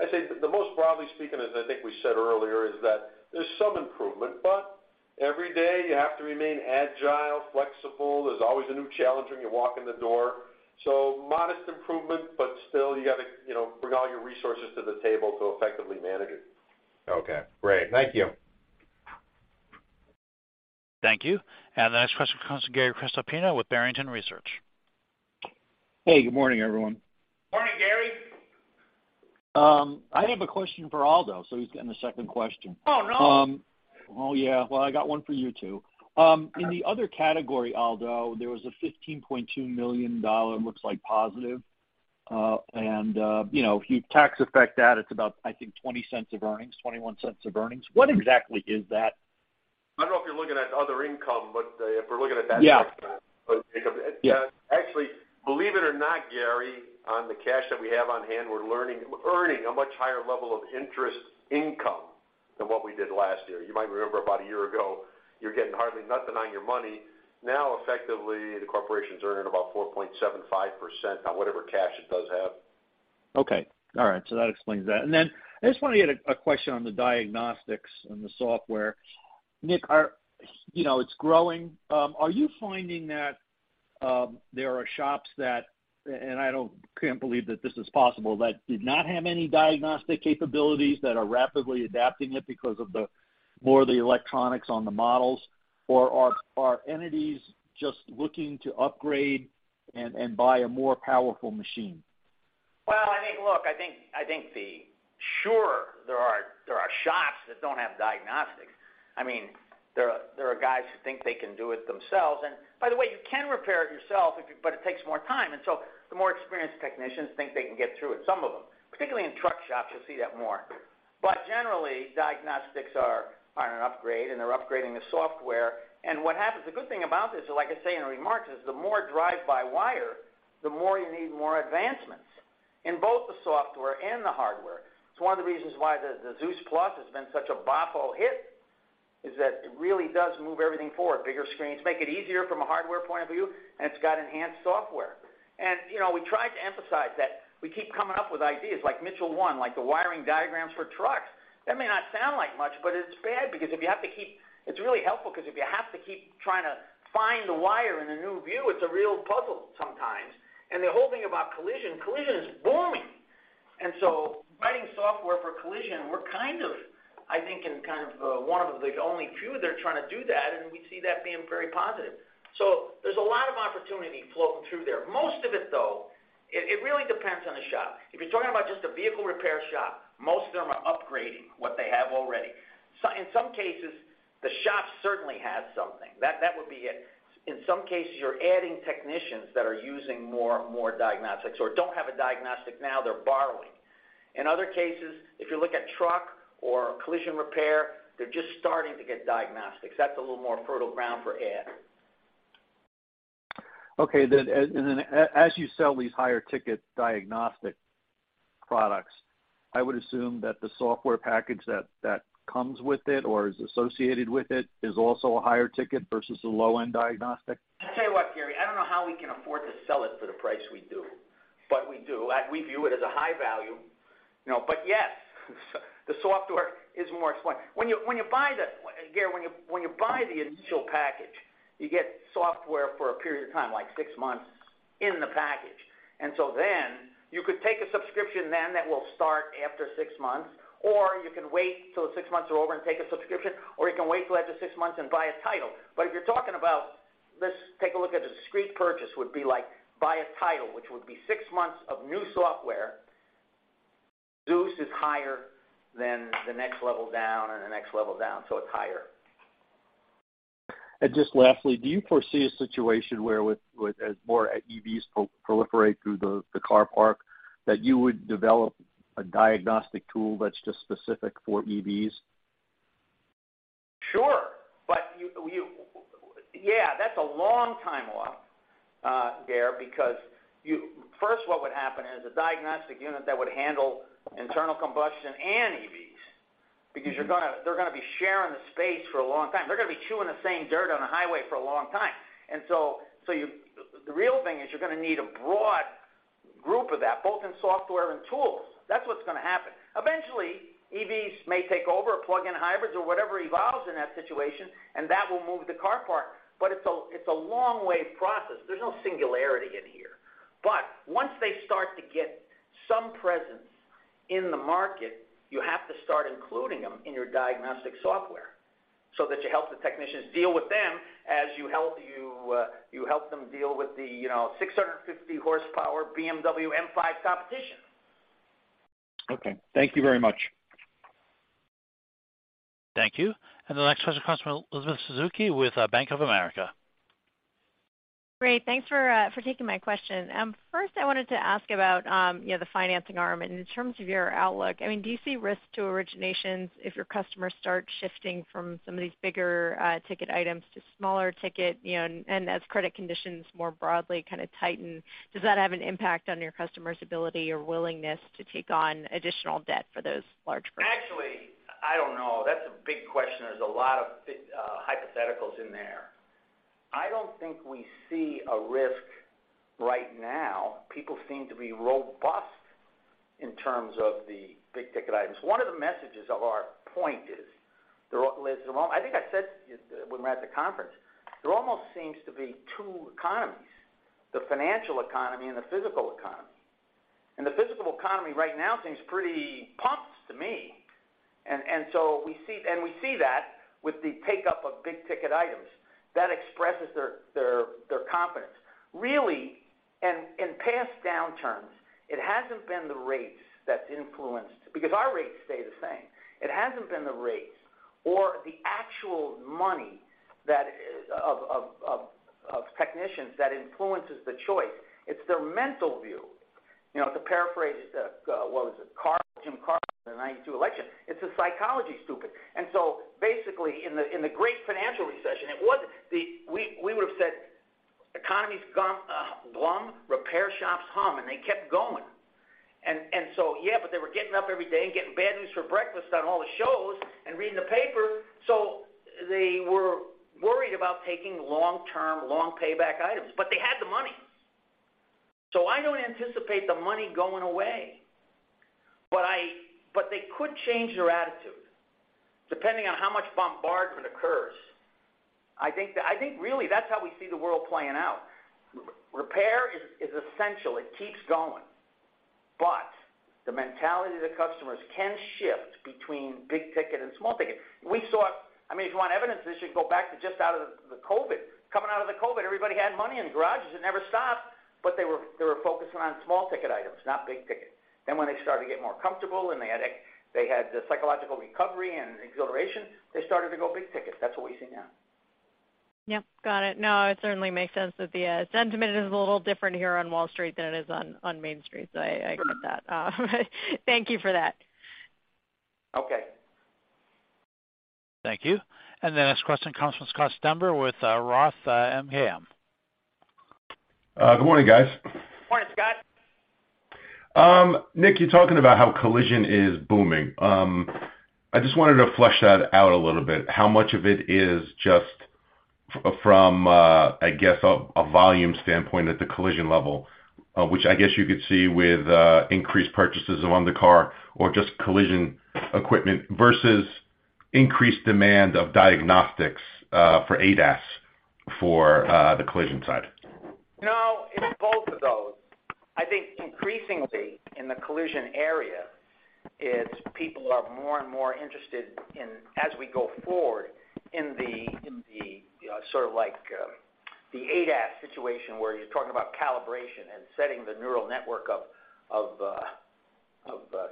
I say the most broadly speaking, as I think we said earlier, is that there's some improvement, but every day you have to remain agile, flexible. There's always a new challenge when you walk in the door. Modest improvement, but still you got to, you know, bring all your resources to the table to effectively manage it. Okay, great. Thank you. Thank you. The next question comes from Gary Prestopino with Barrington Research. Hey, good morning, everyone. Morning, Gary. I have a question for Aldo, he's getting the second question. Oh, no. Oh, yeah. Well, I got one for you, too. In the other category, Aldo, there was a $15.2 million, looks like positive. You know, if you tax affect that, it's about, I think, $0.20 of earnings, $0.21 of earnings. What exactly is that? I don't know if you're looking at other income, but, if we're looking at. Yeah. Actually, believe it or not, Gary, on the cash that we have on hand, we're earning a much higher level of interest income than what we did last year. You might remember about a year ago, you're getting hardly nothing on your money. Now, effectively, the corporation's earning about 4.75% on whatever cash it does have. Okay. All right. That explains that. I just want to get a question on the diagnostics and the software. Nick, you know, it's growing. Are you finding that there are shops that, I can't believe that this is possible, but did not have any diagnostic capabilities that are rapidly adapting it because of the more of the electronics on the models? Are entities just looking to upgrade and buy a more powerful machine? I think, look, I think the. Sure, there are shops that don't have diagnostics. I mean, there are guys who think they can do it themselves. By the way, you can repair it yourself if you but it takes more time. So the more experienced technicians think they can get through it, some of them, particularly in truck shops, you'll see that more. Generally, diagnostics are an upgrade, and they're upgrading the software. What happens, the good thing about this, like I say in the remarks, is the more drive-by-wire, the more you need more advancements in both the software and the hardware. It's one of the reasons why the ZEUS+ has been such a boffo hit, is that it really does move everything forward, bigger screens, make it easier from a hardware point of view, and it's got enhanced software. You know, we tried to emphasize that we keep coming up with ideas like Mitchell 1, like the wiring diagrams for trucks. That may not sound like much, but it's really helpful because if you have to keep trying to find the wire in a new view, it's a real puzzle sometimes. The whole thing about collision is booming. Writing software for collision, we're kind of, I think, in kind of one of the only few that are trying to do that, and we see that being very positive. There's a lot of opportunity floating through there. Most of it, though, it really depends on the shop. If you're talking about just a vehicle repair shop, most of them are upgrading what they have already. In some cases, the shop certainly has something. That would be it. In some cases, you're adding technicians that are using more diagnostics or don't have a diagnostic now they're borrowing. In other cases, if you look at truck or collision repair, they're just starting to get diagnostics. That's a little more fertile ground for add. Okay. As you sell these higher ticket diagnostic products, I would assume that the software package that comes with it or is associated with it is also a higher ticket versus a low-end diagnostic? I tell you what, Gary, I don't know how we can afford to sell it for the price we do, but we do. We view it as a high value. No, but yes, the software is more expensive. When you buy the initial package, you get software for a period of time, like six months in the package. Then you could take a subscription that will start after six months, or you can wait till the six months are over and take a subscription, or you can wait till after six months and buy a title. If you're talking about, let's take a look at a discrete purchase, would be like buy a title, which would be six months of new software. ZEUS is higher than the next level down. It's higher. Just lastly, do you foresee a situation where with as more EVs proliferate through the car park, that you would develop a diagnostic tool that's just specific for EVs? Sure. You, yeah, that's a long time off, Gare, because first, what would happen is a diagnostic unit that would handle internal combustion and EVs, because you're gonna they're gonna be sharing the space for a long time. They're gonna be chewing the same dirt on a highway for a long time. So you the real thing is you're gonna need a broad group of that, both in software and tools. That's what's gonna happen. Eventually, EVs may take over, plug-in hybrids or whatever evolves in that situation, and that will move the car park. It's a long way process. There's no singularity in here. Once they start to get some presence in the market, you have to start including them in your diagnostic software, so that you help the technicians deal with them as you help them deal with the, you know, 650 horsepower BMW M5 Competition. Okay. Thank you very much. Thank you. The next question comes from Elizabeth Suzuki with Bank of America. Great. Thanks for taking my question. First, I wanted to ask about, you know, the financing arm and in terms of your outlook. I mean, do you see risk to originations if your customers start shifting from some of these bigger ticket items to smaller ticket, you know, and as credit conditions more broadly kind of tighten, does that have an impact on your customers' ability or willingness to take on additional debt for those large purchases? Actually, I don't know. That's a big question. There's a lot of hypotheticals in there. I don't think we see a risk right now. People seem to be robust in terms of the big-ticket items. One of the messages of our point is Liz, well, I think I said to you when we're at the conference, there almost seems to be two economies, the financial economy and the physical economy. The physical economy right now seems pretty pumped to me. We see that with the take-up of big-ticket items. That expresses their confidence. Really, in past downturns, it hasn't been the rates that's influenced. Because our rates stay the same. It hasn't been the rates or the actual money that is of technicians that influences the choice. It's their mental view. You know, to paraphrase, what was it? James Carville in the 92 election. It's a psychology, stupid. Basically in the great financial recession, we would've said, economy's glum, repair shops hum, they kept going. Yeah, but they were getting up every day and getting bad news for breakfast on all the shows and reading the paper. They were worried about taking long-term, long payback items, but they had the money. I don't anticipate the money going away. They could change their attitude, depending on how much bombardment occurs. I think really that's how we see the world playing out. Repair is essential. It keeps going. The mentality of the customers can shift between big ticket and small ticket. We saw it. I mean, if you want evidence of this, you can go back to just out of the COVID. Coming out of the COVID, everybody had money in garages. It never stopped. They were focusing on small ticket items, not big ticket. When they started to get more comfortable and they had the psychological recovery and exhilaration, they started to go big ticket. That's what we've seen now. Yep, got it. No, it certainly makes sense that the sentiment is a little different here on Wall Street than it is on Main Street. I get that. Thank you for that. Okay. Thank you. The next question comes from Scott Stember with ROTH MKM. Good morning, guys. Morning, Scott. Nick, you're talking about how collision is booming. I just wanted to flesh that out a little bit. How much of it is just from, I guess, a volume standpoint at the collision level, which I guess you could see with increased purchases on the car or just collision equipment versus increased demand of diagnostics for ADAS for the collision side? No, it's both of those. I think increasingly in the collision area, it's people are more and more interested in, as we go forward in the, in the, sort of like, the ADAS situation where you're talking about calibration and setting the neural network of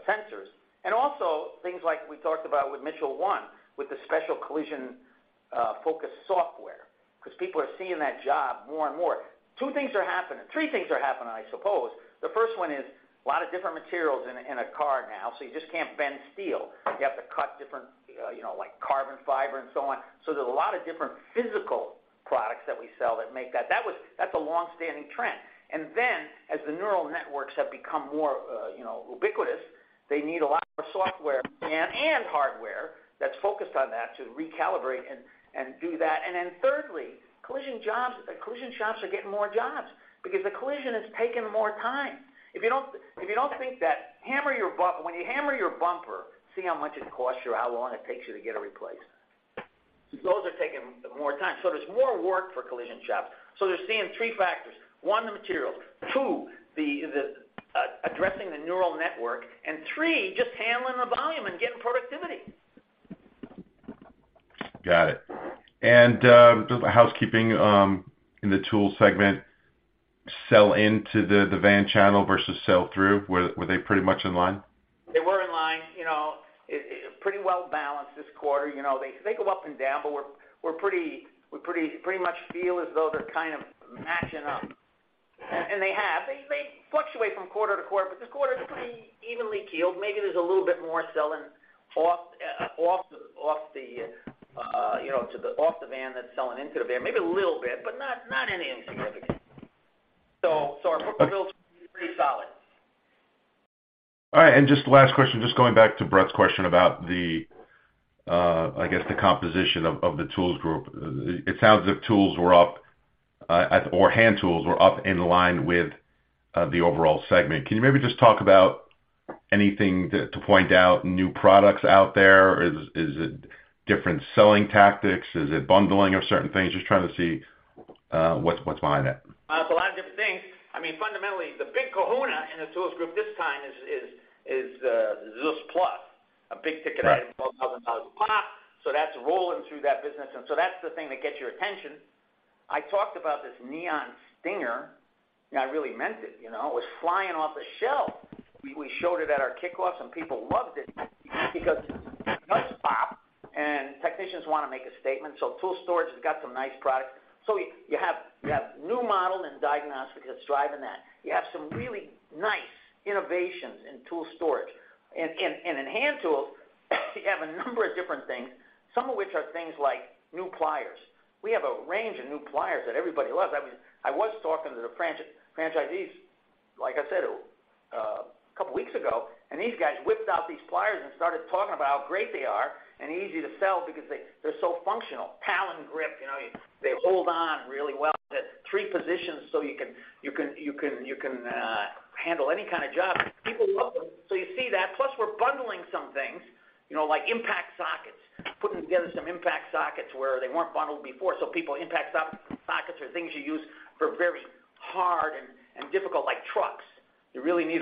sensors. Also things like we talked about with Mitchell 1 with the special collision focused software, 'cause people are seeing that job more and more. Two things are happening. Three things are happening, I suppose. The first one is a lot of different materials in a, in a car now, so you just can't bend steel. You have to cut different, you know, like carbon fiber and so on. There's a lot of different physical products that we sell that make that. That's a long-standing trend. As the neural networks have become more, you know, ubiquitous, they need the software and hardware that's focused on that to recalibrate and do that. Thirdly, collision shops are getting more jobs because the collision is taking more time. If you don't think that when you hammer your bumper, see how much it costs you or how long it takes you to get it replaced. Those are taking more time. There's more work for collision shops. They're seeing three factors. One, the materials. Two, the addressing the neural network. Three, just handling the volume and getting productivity. Got it. Just housekeeping, in the tool segment, sell into the van channel versus sell through. Were they pretty much in line? They were in line, you know. It pretty well balanced this quarter. You know, they go up and down, but we're pretty, we pretty much feel as though they're kind of matching up. They have. They fluctuate from quarter to quarter, but this quarter is pretty evenly keeled. Maybe there's a little bit more selling off the, you know, off the van than selling into the van. Maybe a little bit, but not any insignificant. Our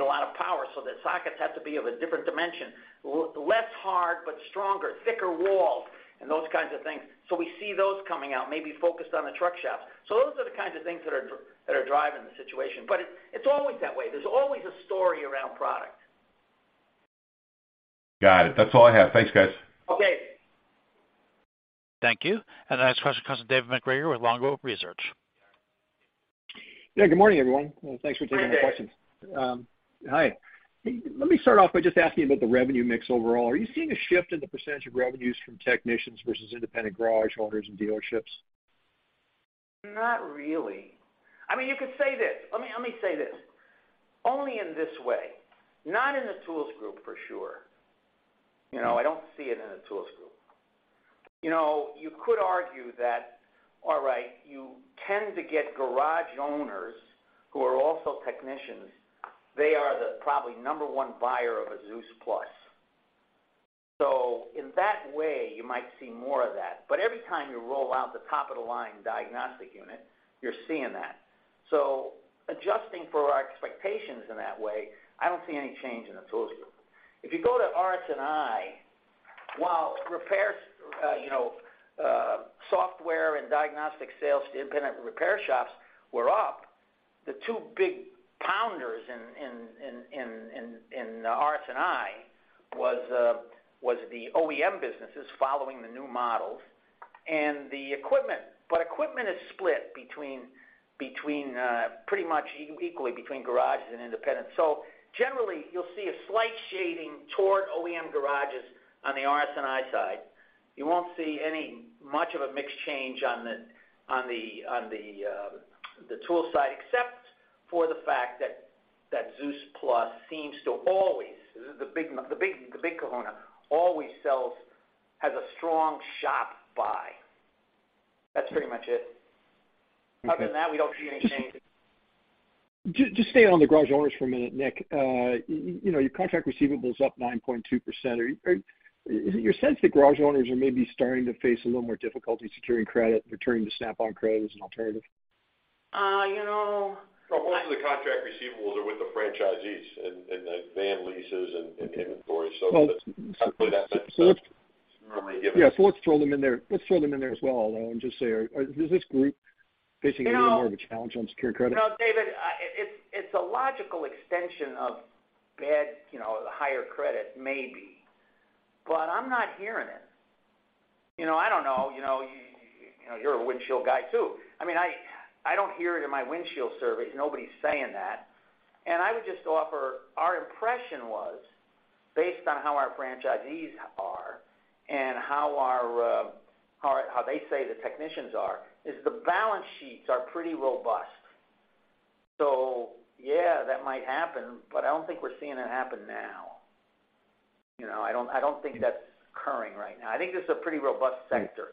Yeah. Good morning, everyone. Thanks for taking the questions. Hey, Dave. Hi. Let me start off by just asking about the revenue mix overall. Are you seeing a shift in the percentage of revenues from technicians versus independent garage owners and dealerships? Not really. I mean, you could say this. Let me say this. Only in this way, not in the Tools Group for sure. You know, I don't see it in the Tools Group. You know, you could argue that, all right, you tend to get garage owners who are also technicians. They are the probably number one buyer of a ZEUS+. In that way, you might see more of that. Every time you roll out the top-of-the-line diagnostic unit, you're seeing that. Adjusting for our expectations in that way, I don't see any change in the Tools Group. If you go to RS&I, while repairs, you know, software and diagnostic sales to independent repair shops were up, the two big pounders in RS&I was the OEM businesses following the new models and the equipment. Equipment is split pretty much equally between garages and independents. Generally you'll see a slight shading toward OEM garages on the RS&I side. You won't see any much of a mixed change on the tool side, except for the fact that ZEUS+ seems to always, the big kahuna always sells as a strong shop buy. That's pretty much it. Other than that, we don't see any change. Just staying on the garage owners for a minute, Nick. You know, your contract receivables up 9.2%. Is it your sense that garage owners are maybe starting to face a little more difficulty securing credit, returning to Snap-on Credit as an alternative? You know. Most of the contract receivables are with the franchisees in the van leases and inventory. That's kind of given. Yeah. Let's throw them in there. Let's throw them in there as well, though, and just say, is this group facing any more of a challenge on securing credit? You know, no, David, it's a logical extension of bad, you know, higher credit maybe, but I'm not hearing it. You know, I don't know. You know, you know, you're a windshield guy too. I mean, I don't hear it in my windshield surveys. Nobody's saying that. I would just offer our impression was, based on how our franchisees are and how our, how they say the technicians are, is the balance sheets are pretty robust. Yeah, that might happen, but I don't think we're seeing it happen now. You know, I don't, I don't think that's occurring right now. I think this is a pretty robust sector.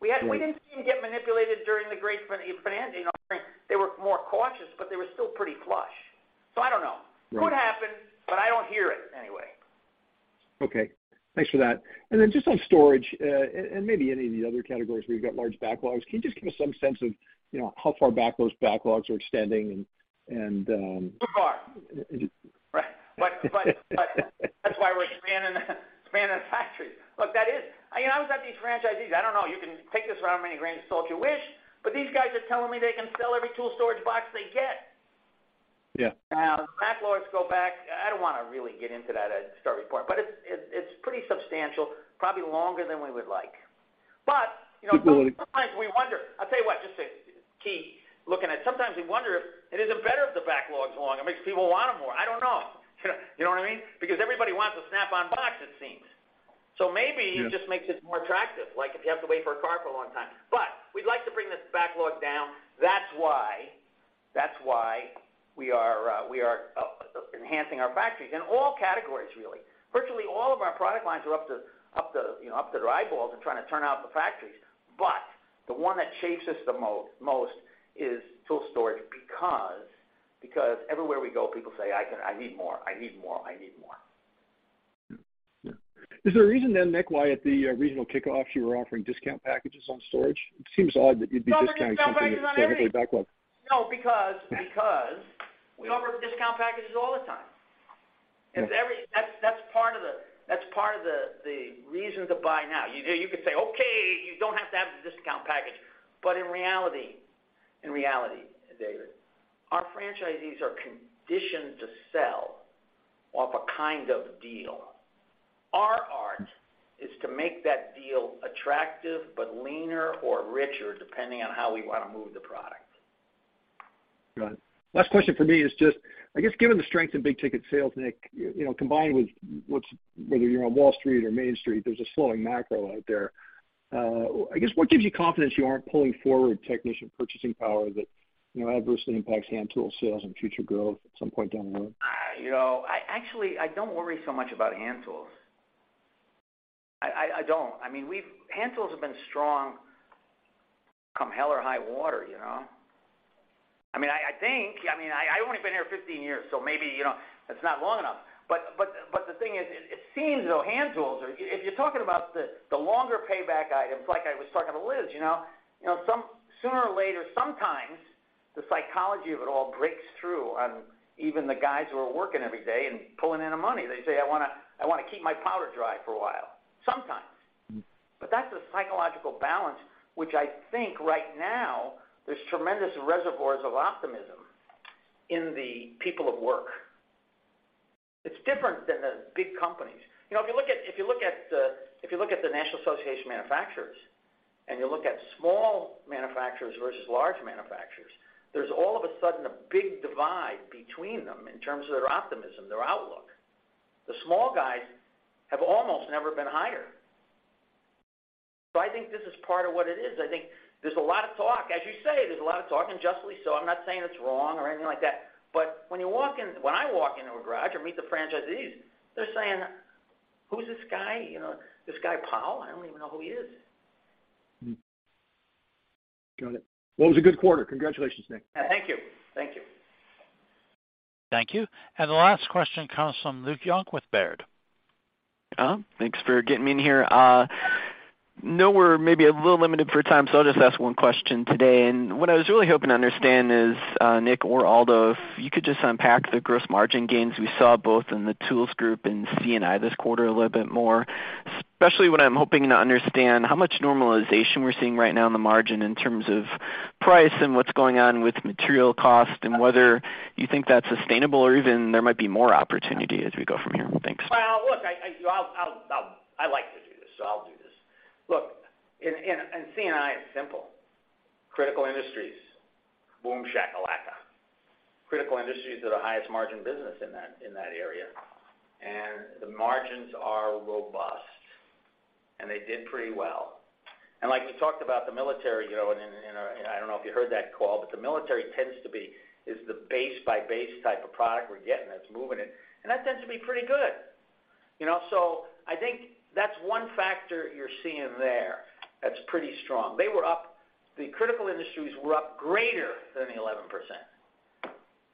We didn't even get manipulated during the great finance, you know. They were more cautious, but they were still pretty flush. I don't know. Right. Could happen, but I don't hear it anyway. Okay. Thanks for that. Just on storage, and maybe any of the other categories where you've got large backlogs, can you just give us some sense of, you know, how far back those backlogs are extending and. Too far. Right. That's why we're expanding our factories. Look, that is. I mean, I was at these franchisees. I don't know. You can take this for how many grains of salt you wish. These guys are telling me they can sell every tool storage box they get. Yeah. Backlogs go back, I don't wanna really get into that at the start of the report, but it's pretty substantial, probably longer than we would like. You know. People- Sometimes we wonder... I'll tell you what, just to keep looking at it, sometimes we wonder if it isn't better if the backlog's long. It makes people want them more. I don't know. You know, you know what I mean? Everybody wants a Snap-on box, it seems. maybe- Yeah. It just makes it more attractive, like if you have to wait for a car for a long time. We'd like to bring this backlog down. That's why we are enhancing our factories in all categories really. Virtually all of our product lines are up to, you know, up to their eyeballs and trying to turn out the factories. The one that chafes us the most is tool storage because everywhere we go, people say, "I need more, I need more, I need more. Yeah. Is there a reason then, Nick, why at the regional kickoffs you were offering discount packages on storage? It seems odd that you'd be discounting something that- No, there'll be discount packages on everything. Still had great backlog. No, because we offer discount packages all the time. Yeah. That's part of the reason to buy now. You know, you could say, okay, you don't have to have the discount package. In reality, David, our franchisees are conditioned to sell off a kind of deal. Our art is to make that deal attractive but leaner or richer, depending on how we wanna move the product. Got it. Last question for me is just, I guess, given the strength in big-ticket sales, Nick, you know, combined with what's, whether you're on Wall Street or Main Street, there's a slowing macro out there. I guess, what gives you confidence you aren't pulling forward technician purchasing power that, you know, adversely impacts hand tool sales and future growth at some point down the road? You know, I actually, I don't worry so much about hand tools. I don't. I mean, we've Hand tools have been strong come hell or high water, you know? I mean, I think, I mean, I've only been here 15 years, so maybe, you know, that's not long enough. The thing is, it seems though, hand tools are If you're talking about the longer payback items, like I was talking to Liz, you know, some sooner or later, sometimes the psychology of it all breaks through on even the guys who are working every day and pulling in the money. They say, "I wanna keep my powder dry for a while." Sometimes. Mm-hmm. That's a psychological balance, which I think right now there's tremendous reservoirs of optimism in the people of work. It's different than the big companies. You know, if you look at the National Association of Manufacturers and you look at small manufacturers versus large manufacturers, there's all of a sudden a big divide between them in terms of their optimism, their outlook. The small guys have almost never been higher. I think this is part of what it is. I think there's a lot of talk, as you say, there's a lot of talk, and justly so. I'm not saying it's wrong or anything like that, but when you walk in, when I walk into a garage or meet the franchisees, they're saying, "Who's this guy? You know, this guy Powell? I don't even know who he is. Got it. It was a good quarter. Congratulations, Nick. Thank you. Thank you. Thank you. The last question comes from Luke Junk with Baird. Thanks for getting me in here. Know we're maybe a little limited for time, so I'll just ask one question today. What I was really hoping to understand is, Nick or Aldo, if you could just unpack the gross margin gains we saw both in the Tools Group and C&I this quarter a little bit more, especially what I'm hoping to understand how much normalization we're seeing right now in the margin in terms of price and what's going on with material cost, and whether you think that's sustainable or even there might be more opportunity as we go from here. Thanks. Well, look, I, you know, I like to do this, so I'll do this. Look, in C&I, it's simple. Critical industries, Boom Shakalaka. Critical industries are the highest margin business in that area, and the margins are robust, and they did pretty well. Like we talked about the military, you know, in our. I don't know if you heard that call, but the military tends to be the base-by-base type of product we're getting that's moving it, and that tends to be pretty good. You know. I think that's one factor you're seeing there that's pretty strong. The critical industries were up greater than the 11%,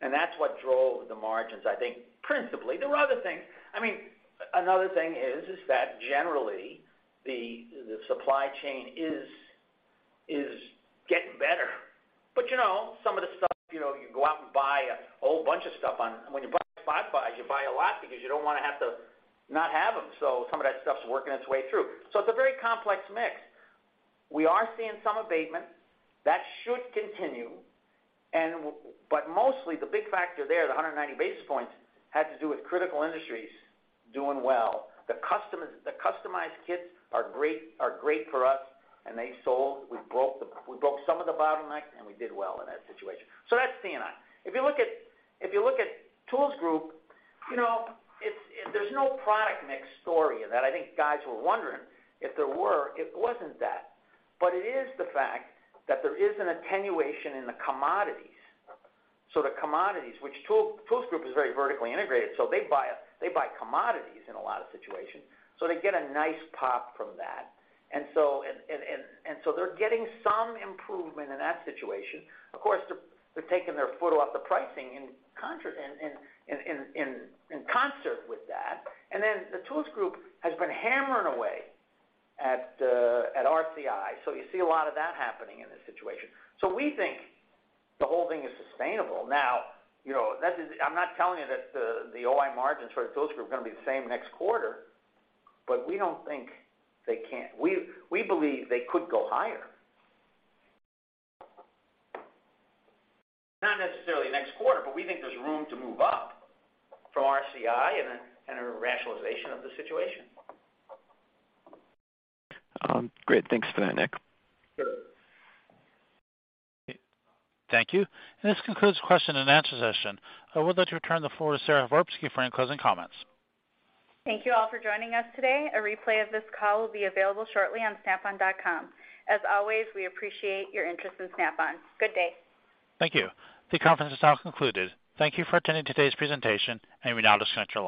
and that's what drove the margins, I think principally. There were other things. I mean, another thing is that generally, the supply chain is getting better. You know, some of the stuff, you know, you go out and buy a whole bunch of stuff on... When you're buying five by five, you buy a lot because you don't wanna have to not have them, so some of that stuff's working its way through. It's a very complex mix. We are seeing some abatement. That should continue, and mostly the big factor there, the 190 basis points, had to do with critical industries doing well. The customized kits are great for us, and they sold. We broke some of the bottlenecks, and we did well in that situation. That's C&I. If you look at tools group, you know, it's... There's no product mix story in that. I think guys were wondering if there were. It wasn't that. It is the fact that there is an attenuation in the commodities. The commodities, which Tools Group is very vertically integrated, so they buy commodities in a lot of situations, so they get a nice pop from that. So they're getting some improvement in that situation. Of course, they're taking their foot off the pricing in concert with that. The Tools Group has been hammering away at RCI, so you see a lot of that happening in this situation. We think the whole thing is sustainable. Now, you know, that is... I'm not telling you that the OI margins for the Tools Group are gonna be the same next quarter, but we don't think they can't. We believe they could go higher. Not necessarily next quarter, but we think there's room to move up from RCI and a rationalization of the situation. Great. Thanks for that, Nick. Sure. Thank you. This concludes the question and answer session. I would like to turn the floor to Sara Verbsky for any closing comments. Thank you all for joining us today. A replay of this call will be available shortly on snapon.com. As always, we appreciate your interest in Snap-on. Good day. Thank you. The conference is now concluded. Thank you for attending today's presentation, and you may now disconnect your lines.